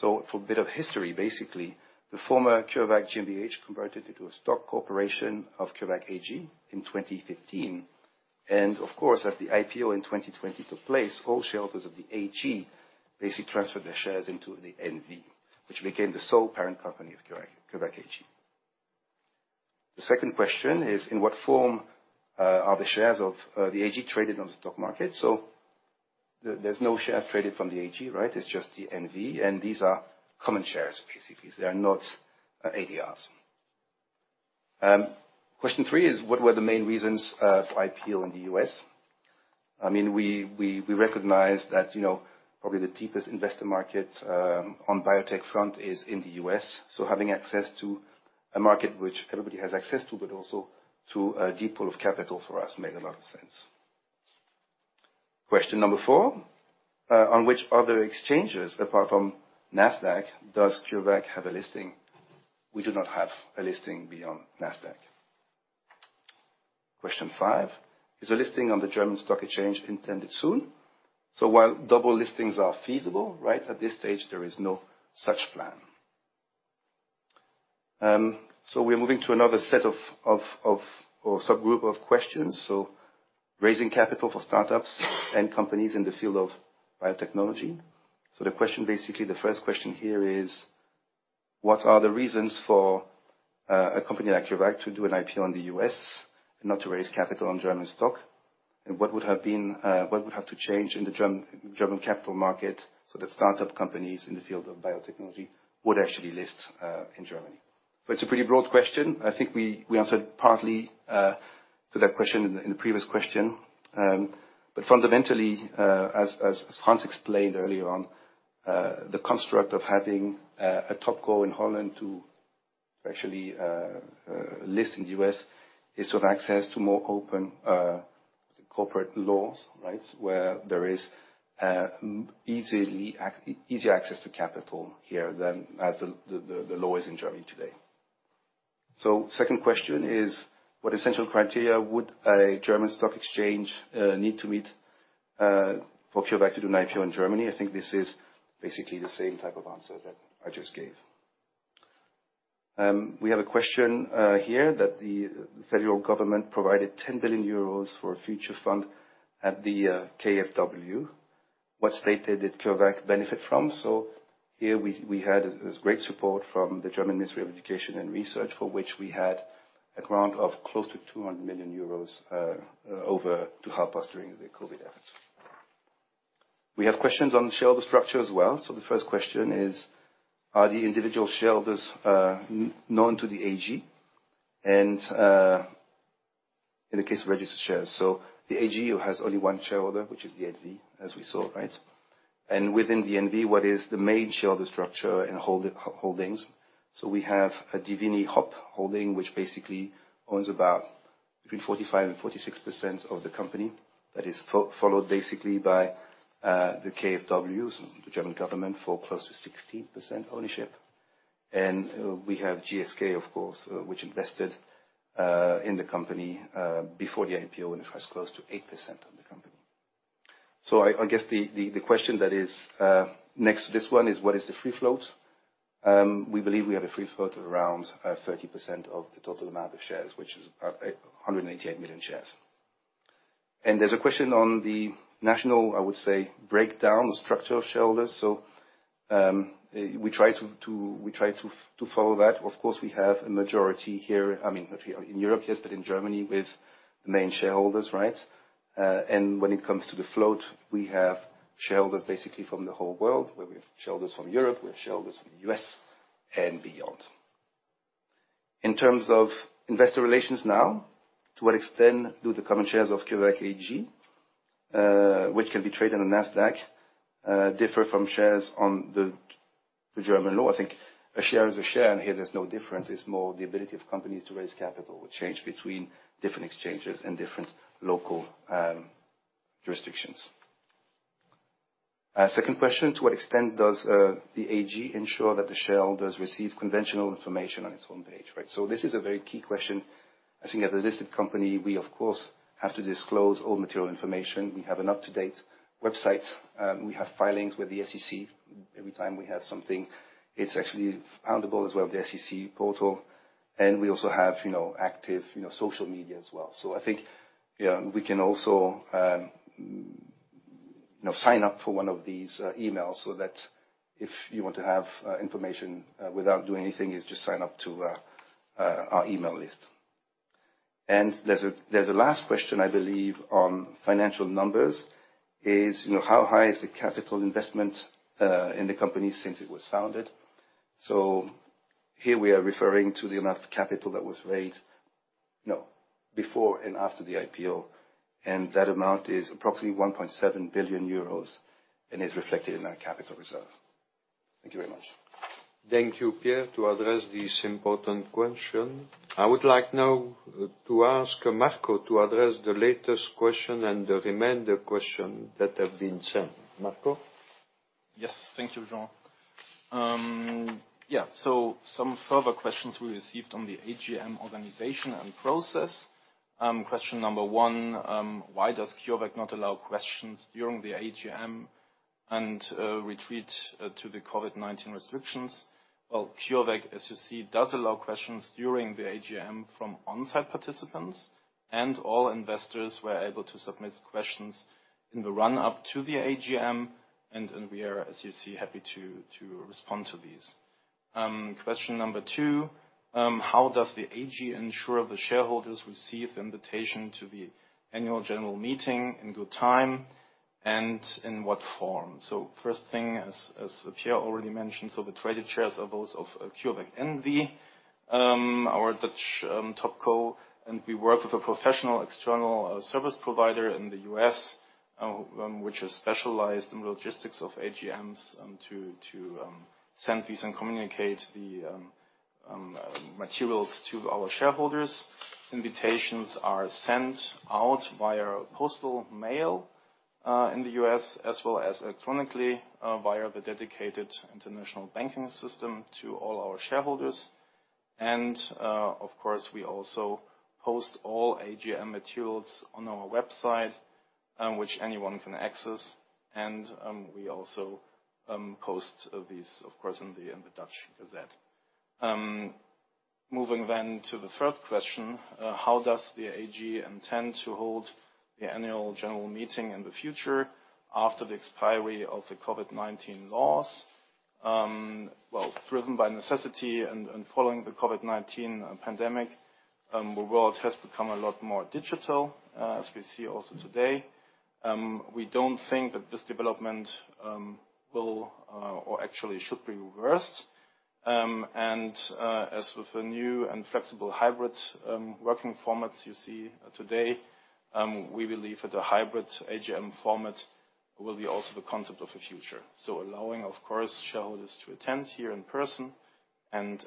For a bit of history, basically, the former CureVac GmbH converted into a stock corporation of CureVac AG in 2015. And of course, at the IPO in 2020 took place, all shareholders of the AG basically transferred their shares into the N.V., which became the sole parent company of CureVac AG. The second question is: In what form are the shares of the AG traded on the stock market? So there's no shares traded from the AG, right? It's just the N.V., and these are common shares, basically. They are not ADRs. Question three is: What were the main reasons for IPO in the U.S.? I mean, we recognize that, you know, probably the deepest investor market on biotech front is in the U.S. So having access to a market which everybody has access to, but also to a deep pool of capital for us, made a lot of sense. Question number four: On which other exchanges, apart from Nasdaq, does CureVac have a listing? We do not have a listing beyond Nasdaq. Question five: Is a listing on the German Stock Exchange intended soon? So while double listings are feasible, right, at this stage, there is no such plan. So we're moving to another set of, or subgroup of questions. So raising capital for startups and companies in the field of biotechnology. So the question, basically, the first question here is: What are the reasons for a company like CureVac to do an IPO in the U.S. and not to raise capital on German stock? And what would have to change in the German capital market so that startup companies in the field of biotechnology would actually list in Germany? So it's a pretty broad question. I think we answered partly to that question in the previous question. But fundamentally, as Hans explained earlier on, the construct of having a topco in Holland to actually list in the U.S. is to have access to more open corporate laws, right? Where there is easy access to capital here than as the law is in Germany today. So second question is: What essential criteria would a German stock exchange need to meet for CureVac to do an IPO in Germany? I think this is basically the same type of answer that I just gave. We have a question here that the federal government provided 10 billion euros for a future fund at the KfW. What stated did CureVac benefit from? So here we had this great support from the German Ministry of Education and Research, for which we had a grant of close to 200 million euros over to help us during the COVID efforts. We have questions on shareholder structure as well. So the first question is: Are the individual shareholders known to the AG? And in the case of registered shares. So the AG has only one shareholder, which is the NV, as we saw, right? And within the NV, what is the main shareholder structure and holdings? So we have a dievini Hopp holding, which basically owns about between 45% and 46% of the company. That is followed basically by the KfW, the German government, for close to 16% ownership. And we have GSK, of course, which invested in the company before the IPO, and it has close to 8% of the company. So I guess the question that is next to this one is: What is the free float? We believe we have a free float of around 30% of the total amount of shares, which is 188 million shares. There's a question on the national, I would say, breakdown, the structure of shareholders. We try to follow that. Of course, we have a majority here, I mean, not here in Europe, yes, but in Germany, with the main shareholders, right? And when it comes to the float, we have shareholders, basically from the whole world, where we have shareholders from Europe, we have shareholders from the U.S. and beyond. In terms of investor relations now: To what extent do the common shares of CureVac AG, which can be traded on Nasdaq, differ from shares on the German law? I think a share is a share, and here there's no difference. It's more the ability of companies to raise capital, which change between different exchanges and different local jurisdictions. Second question: To what extent does the AG ensure that the shareholder has received conventional information on its own page, right? So this is a very key question. I think as a listed company, we of course have to disclose all material information. We have an up-to-date website, we have filings with the SEC. Every time we have something, it's actually foundable as well, the SEC portal, and we also have, you know, active, you know, social media as well. So I think, yeah, we can also, you know, sign up for one of these emails so that if you want to have information without doing anything, is just sign up to our email list. There's a last question, I believe, on financial numbers: You know, how high is the capital investment in the company since it was founded? So here we are referring to the amount of capital that was raised. No, before and after the IPO, and that amount is approximately 1.7 billion euros and is reflected in our capital reserve. Thank you very much. Thank you, Pierre, to address this important question. I would like now to ask Marco to address the latest question and the remainder question that have been sent. Marco? Yes, thank you, Jean. Yeah, so some further questions we received on the AGM organization and process. Question number one: Why does CureVac not allow questions during the AGM and relate to the COVID-19 restrictions? Well, CureVac, as you see, does allow questions during the AGM from on-site participants, and all investors were able to submit questions in the run-up to the AGM, and we are, as you see, happy to respond to these. Question number two: How does the AG ensure the shareholders receive invitation to the annual general meeting in due time, and in what form? So first thing, as Pierre already mentioned, so the traded shares are those of CureVac N.V., our Dutch top co, and we work with a professional external service provider in the U.S., which is specialized in logistics of AGMs, to send these and communicate the materials to our shareholders. Invitations are sent out via postal mail in the U.S., as well as electronically via the dedicated international banking system to all our shareholders. Of course, we also post all AGM materials on our website, which anyone can access, and we also post these, of course, in the Dutch Gazette. Moving then to the third question: How does the AG intend to hold the annual general meeting in the future after the expiry of the COVID-19 laws? Well, driven by necessity and following the COVID-19 pandemic, the world has become a lot more digital, as we see also today. We don't think that this development will, or actually should be reversed. And, as with the new and flexible hybrid working formats you see today, we believe that a hybrid AGM format will be also the concept of the future. So allowing, of course, shareholders to attend here in person and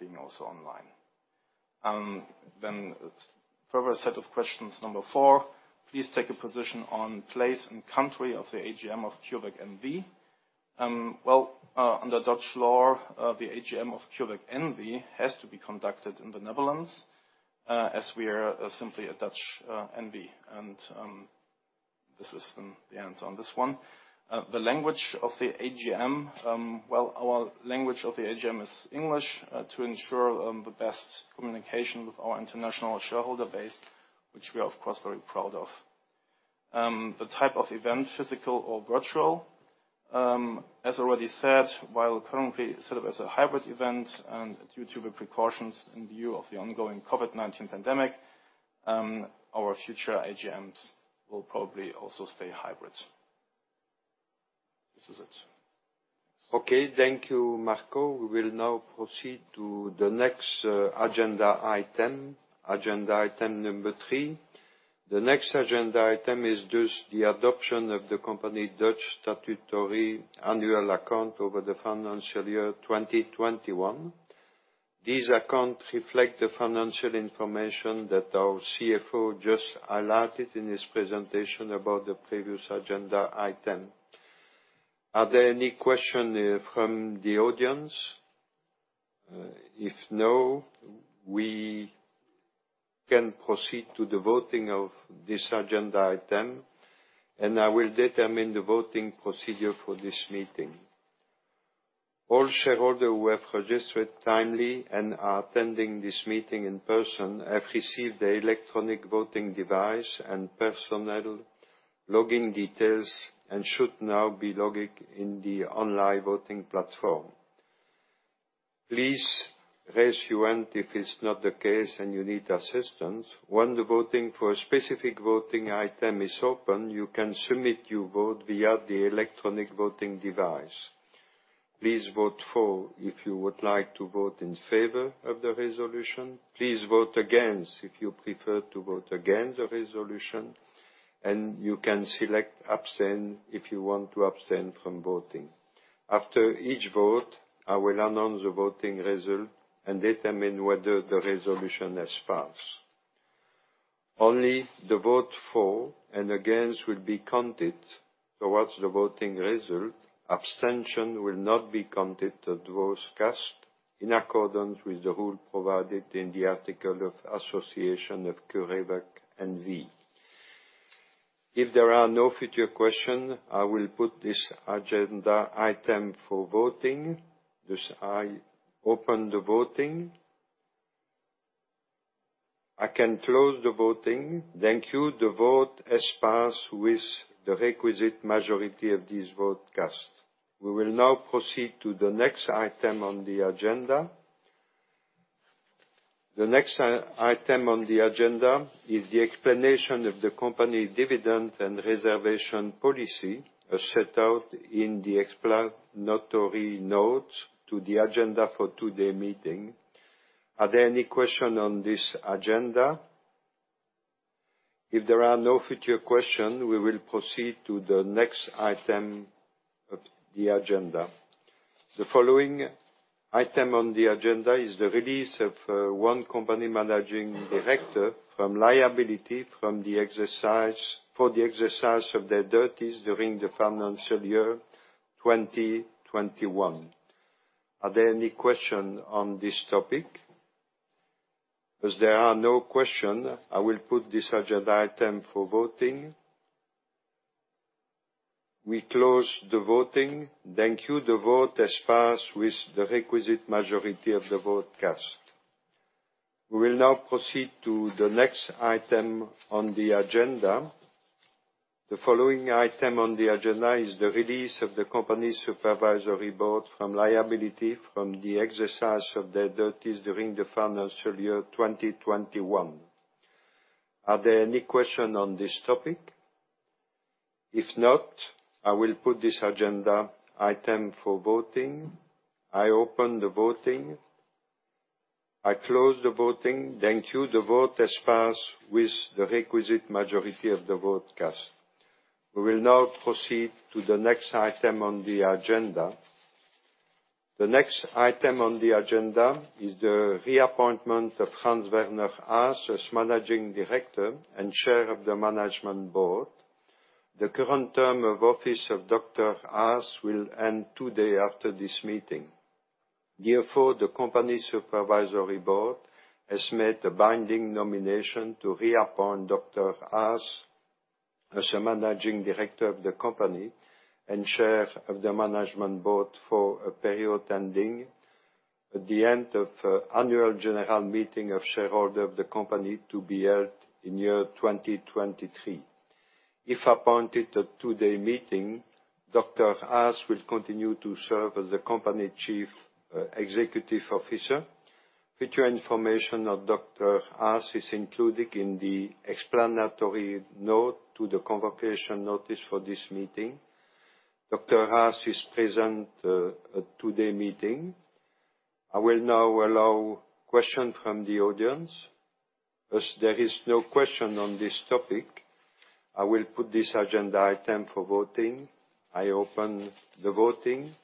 being also online. Then further set of questions, number four: Please take a position on place and country of the AGM of CureVac NV. Well, under Dutch law, the AGM of CureVac NV has to be conducted in the Netherlands, as we are simply a Dutch NV. And this is then the answer on this one. The language of the AGM. Our language of the AGM is English, to ensure the best communication with our international shareholder base, which we are, of course, very proud of. The type of event, physical or virtual? As already said, while currently set up as a hybrid event and due to the precautions in view of the ongoing COVID-19 pandemic, our future AGMs will probably also stay hybrid. This is it. Okay. Thank you, Marco. We will now proceed to the next agenda item, agenda item number 3. The next agenda item is just the adoption of the company Dutch Statutory Annual Accounts over the financial year 2021. These accounts reflect the financial information that our CFO just highlighted in his presentation about the previous agenda item. Are there any questions from the audience? If no, we can proceed to the voting of this agenda item, and I will determine the voting procedure for this meeting. All shareholders who have registered timely and are attending this meeting in person have received an electronic voting device and personal login details and should now be logged in to the online voting platform. Please raise your hand if it's not the case and you need assistance. When the voting for a specific voting item is open, you can submit your vote via the electronic voting device. Please vote for if you would like to vote in favor of the resolution. Please vote against if you prefer to vote against the resolution, and you can select abstain if you want to abstain from voting. After each vote, I will announce the voting result and determine whether the resolution has passed. Only the vote for and against will be counted towards the voting result. Abstention will not be counted towards cast, in accordance with the rule provided in the Articles of Association of CureVac N.V. If there are no further questions, I will put this agenda item for voting. Thus, I open the voting. I can close the voting. Thank you. The vote has passed with the requisite majority of these vote cast. We will now proceed to the next item on the agenda. The next item on the agenda is the explanation of the company's dividend and reservation policy, as set out in the explanatory notes to the agenda for today's meeting. Are there any questions on this agenda? If there are no further questions, we will proceed to the next item of the agenda. The following item on the agenda is the release of one company managing director from liability for the exercise of their duties during the financial year 2021. Are there any questions on this topic? As there are no questions, I will put this agenda item for voting. We close the voting. Thank you. The vote has passed with the requisite majority of the votes cast. We will now proceed to the next item on the agenda. The following item on the agenda is the release of the company's supervisory board from liability for the exercise of their duties during the financial year 2021. Are there any questions on this topic? If not, I will put this agenda item for voting. I open the voting. I close the voting. Thank you. The vote has passed with the requisite majority of the votes cast. We will now proceed to the next item on the agenda. The next item on the agenda is the reappointment of Franz-Werner Haas as managing director and chair of the management board. The current term of office of Dr. Haas will end today, after this meeting. Therefore, the company's supervisory board has made a binding nomination to reappoint Dr. Haas as the managing director of the company and chair of the management board for a period ending at the end of annual general meeting of shareholder of the company to be held in year 2023. If appointed at today meeting, Dr. Haas will continue to serve as the company chief executive officer. Further information of Dr. Haas is included in the explanatory note to the convocation notice for this meeting. Dr. Haas is present at today meeting. I will now allow question from the audience. As there is no question on this topic, I will put this agenda item for voting. I open the voting.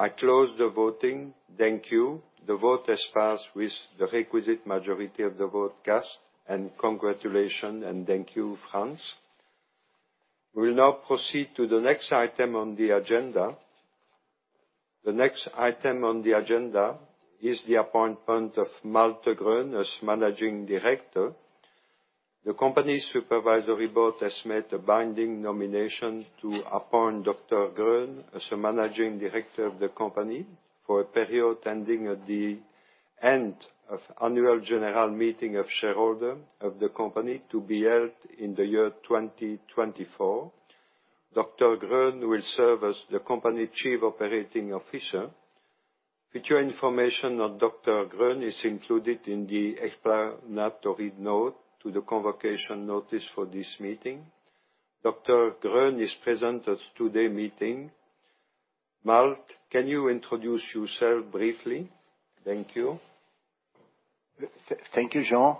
I close the voting. Thank you. The vote has passed with the requisite majority of the vote cast, and congratulations, and thank you, Franz. We will now proceed to the next item on the agenda. The next item on the agenda is the appointment of Malte Greune as managing director. The company's supervisory board has made a binding nomination to appoint Dr. Greune as a managing director of the company for a period ending at the end of annual general meeting of shareholder of the company to be held in the year 2024. Dr. Greune will serve as the company's Chief Operating Officer. Further information on Dr. Greune is included in the explanatory note to the convocation notice for this meeting. Dr. Greune is present at today's meeting. Malte, can you introduce yourself briefly? Thank you. Thank you, Jean.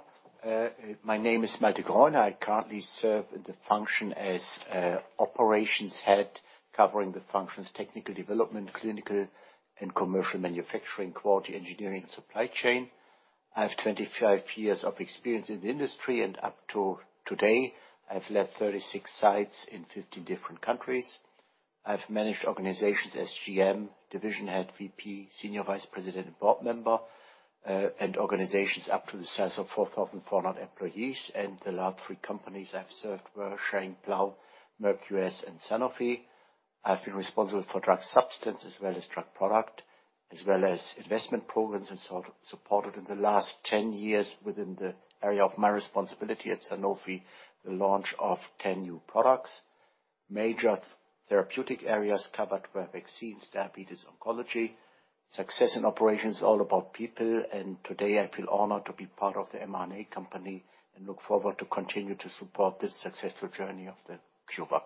My name is Malte Greune. I currently serve in the function as operations head, covering the functions, technical development, clinical and commercial manufacturing, quality engineering, and supply chain. I have 25 years of experience in the industry, and up to today, I've led 36 sites in 15 different countries. I've managed organizations as GM, division head, VP, senior vice president, and board member, and organizations up to the size of 4,400 employees, and the last three companies I've served were Schering-Plough, Merck, and Sanofi. I've been responsible for drug substance as well as drug product, as well as investment programs, and supported in the last 10 years within the area of my responsibility at Sanofi, the launch of 10 new products. Major therapeutic areas covered were vaccines, diabetes, oncology. Success in operation is all about people, and today I feel honored to be part of the M&A company, and look forward to continue to support this successful journey of the CureVac.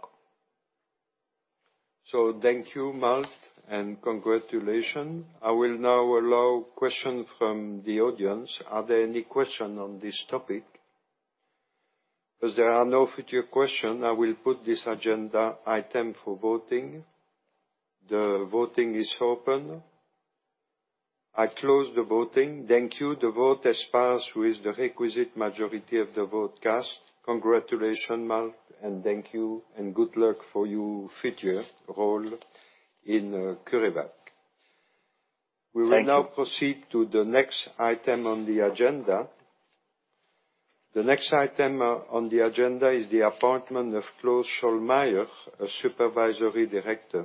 So thank you, Malte, and congratulations. I will now allow questions from the audience. Are there any questions on this topic? As there are no further questions, I will put this agenda item for voting. The voting is open. I close the voting. Thank you. The vote has passed with the requisite majority of the vote cast. Congratulations, Malte, and thank you, and good luck for your future role in CureVac. Thank you. We will now proceed to the next item on the agenda. The next item on the agenda is the appointment of Klaus Schollmeier, a supervisory director.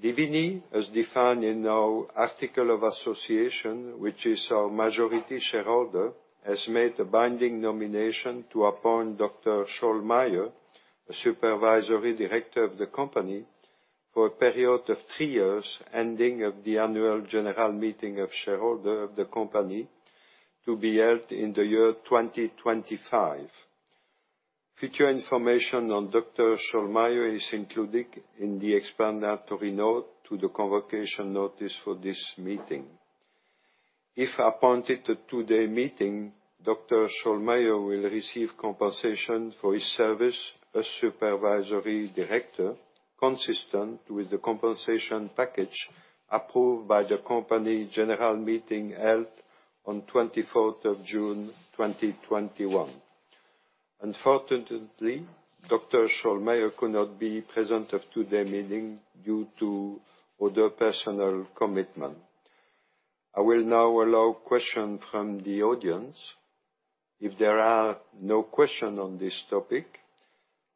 Dievini, as defined in our articles of association, which is our majority shareholder, has made a binding nomination to appoint Dr. Schollmeier, a supervisory director of the company, for a period of three years, ending at the annual general meeting of shareholders of the company to be held in the year 2025. Further information on Dr. Schollmeier is included in the explanatory note to the convocation notice for this meeting. If appointed at today's meeting, Dr. Schollmeier will receive compensation for his service as supervisory director, consistent with the compensation package approved by the company general meeting held on twenty-fourth of June, 2021. Unfortunately, Dr. Schollmeier could not be present at today's meeting due to other personal commitments. I will now allow questions from the audience. If there are no questions on this topic,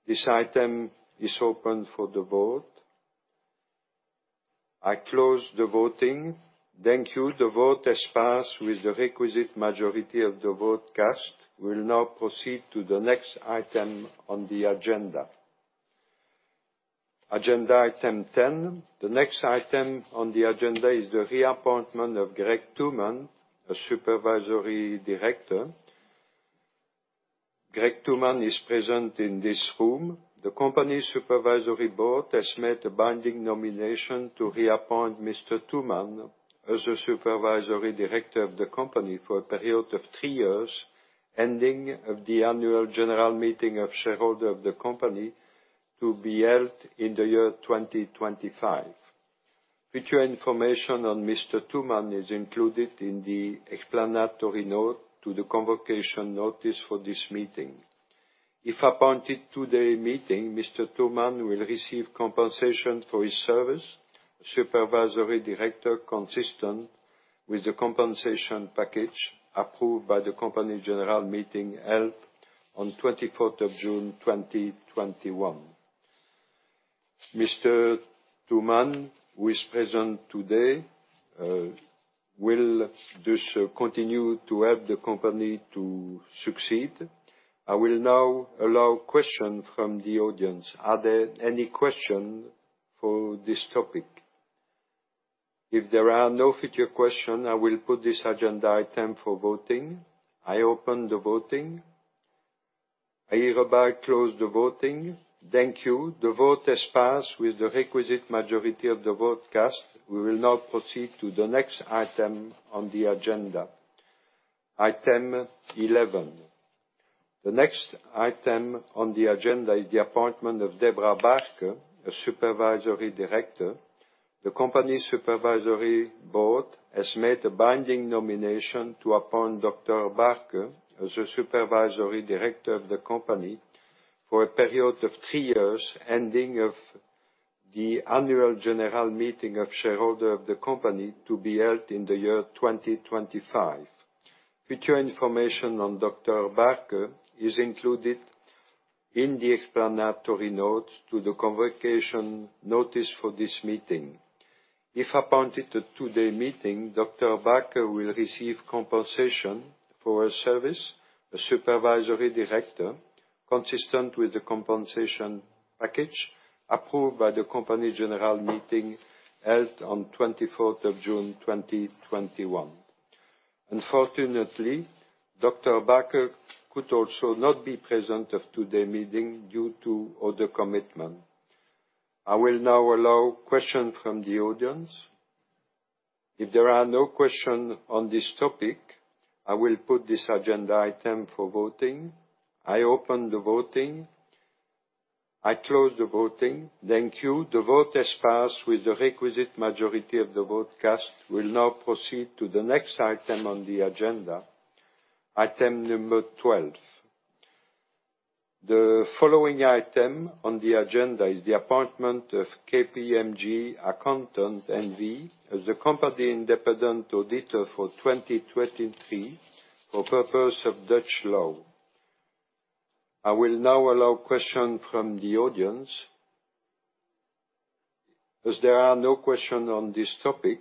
this item is open for the vote. I close the voting. Thank you. The vote has passed with the requisite majority of the vote cast. We will now proceed to the next item on the agenda. Agenda item 10. The next item on the agenda is the reappointment of Craig Tooman, a supervisory director. Craig Tooman is present in this room. The company supervisory board has made a binding nomination to reappoint Mr. Tooman as a supervisory director of the company for a period of three years, ending of the annual general meeting of shareholder of the company to be held in the year 2025. Future information on Mr. Tooman is included in the explanatory note to the convocation notice for this meeting. If appointed today meeting, Mr. Tooman will receive compensation for his service, supervisory director, consistent with the compensation package approved by the company general meeting held on 24th of June, 2021. Mr. Tooman, who is present today, will just continue to help the company to succeed. I will now allow questions from the audience. Are there any questions for this topic? If there are no further questions, I will put this agenda item for voting. I open the voting. I hereby close the voting. Thank you. The vote has passed with the requisite majority of the vote cast. We will now proceed to the next item on the agenda, item 11. The next item on the agenda is the appointment of Debra Barker, a supervisory director. The company supervisory board has made a binding nomination to appoint Dr. Barker as a supervisory director of the company for a period of three years, ending at the annual general meeting of shareholders of the company to be held in the year 2025. Further information on Dr. Barker is included in the explanatory notes to the convocation notice for this meeting. If appointed at today's meeting, Dr. Barker will receive compensation for her service as a supervisory director, consistent with the compensation package approved by the company general meeting held on the 24th of June, 2021. Unfortunately, Dr. Barker could also not be present at today's meeting due to other commitments. I will now allow questions from the audience. If there are no questions on this topic, I will put this agenda item up for voting. I open the voting. I close the voting. Thank you. The vote has passed with the requisite majority of the votes cast. We will now proceed to the next item on the agenda, item number 12. The following item on the agenda is the appointment of KPMG Accountants N.V. as the company independent auditor for 2023, for purpose of Dutch law. I will now allow questions from the audience. As there are no questions on this topic,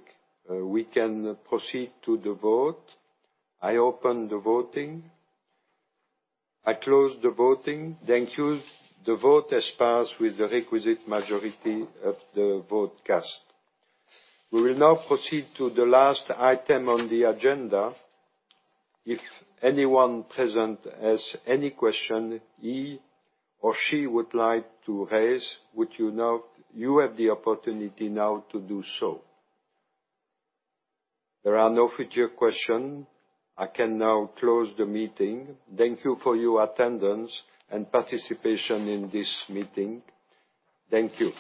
we can proceed to the vote. I open the voting. I close the voting. Thank you. The vote has passed with the requisite majority of the vote cast. We will now proceed to the last item on the agenda. If anyone present has any question he or she would like to raise, you have the opportunity now to do so. There are no future question. I can now close the meeting. Thank you for your attendance and participation in this meeting. Thank you.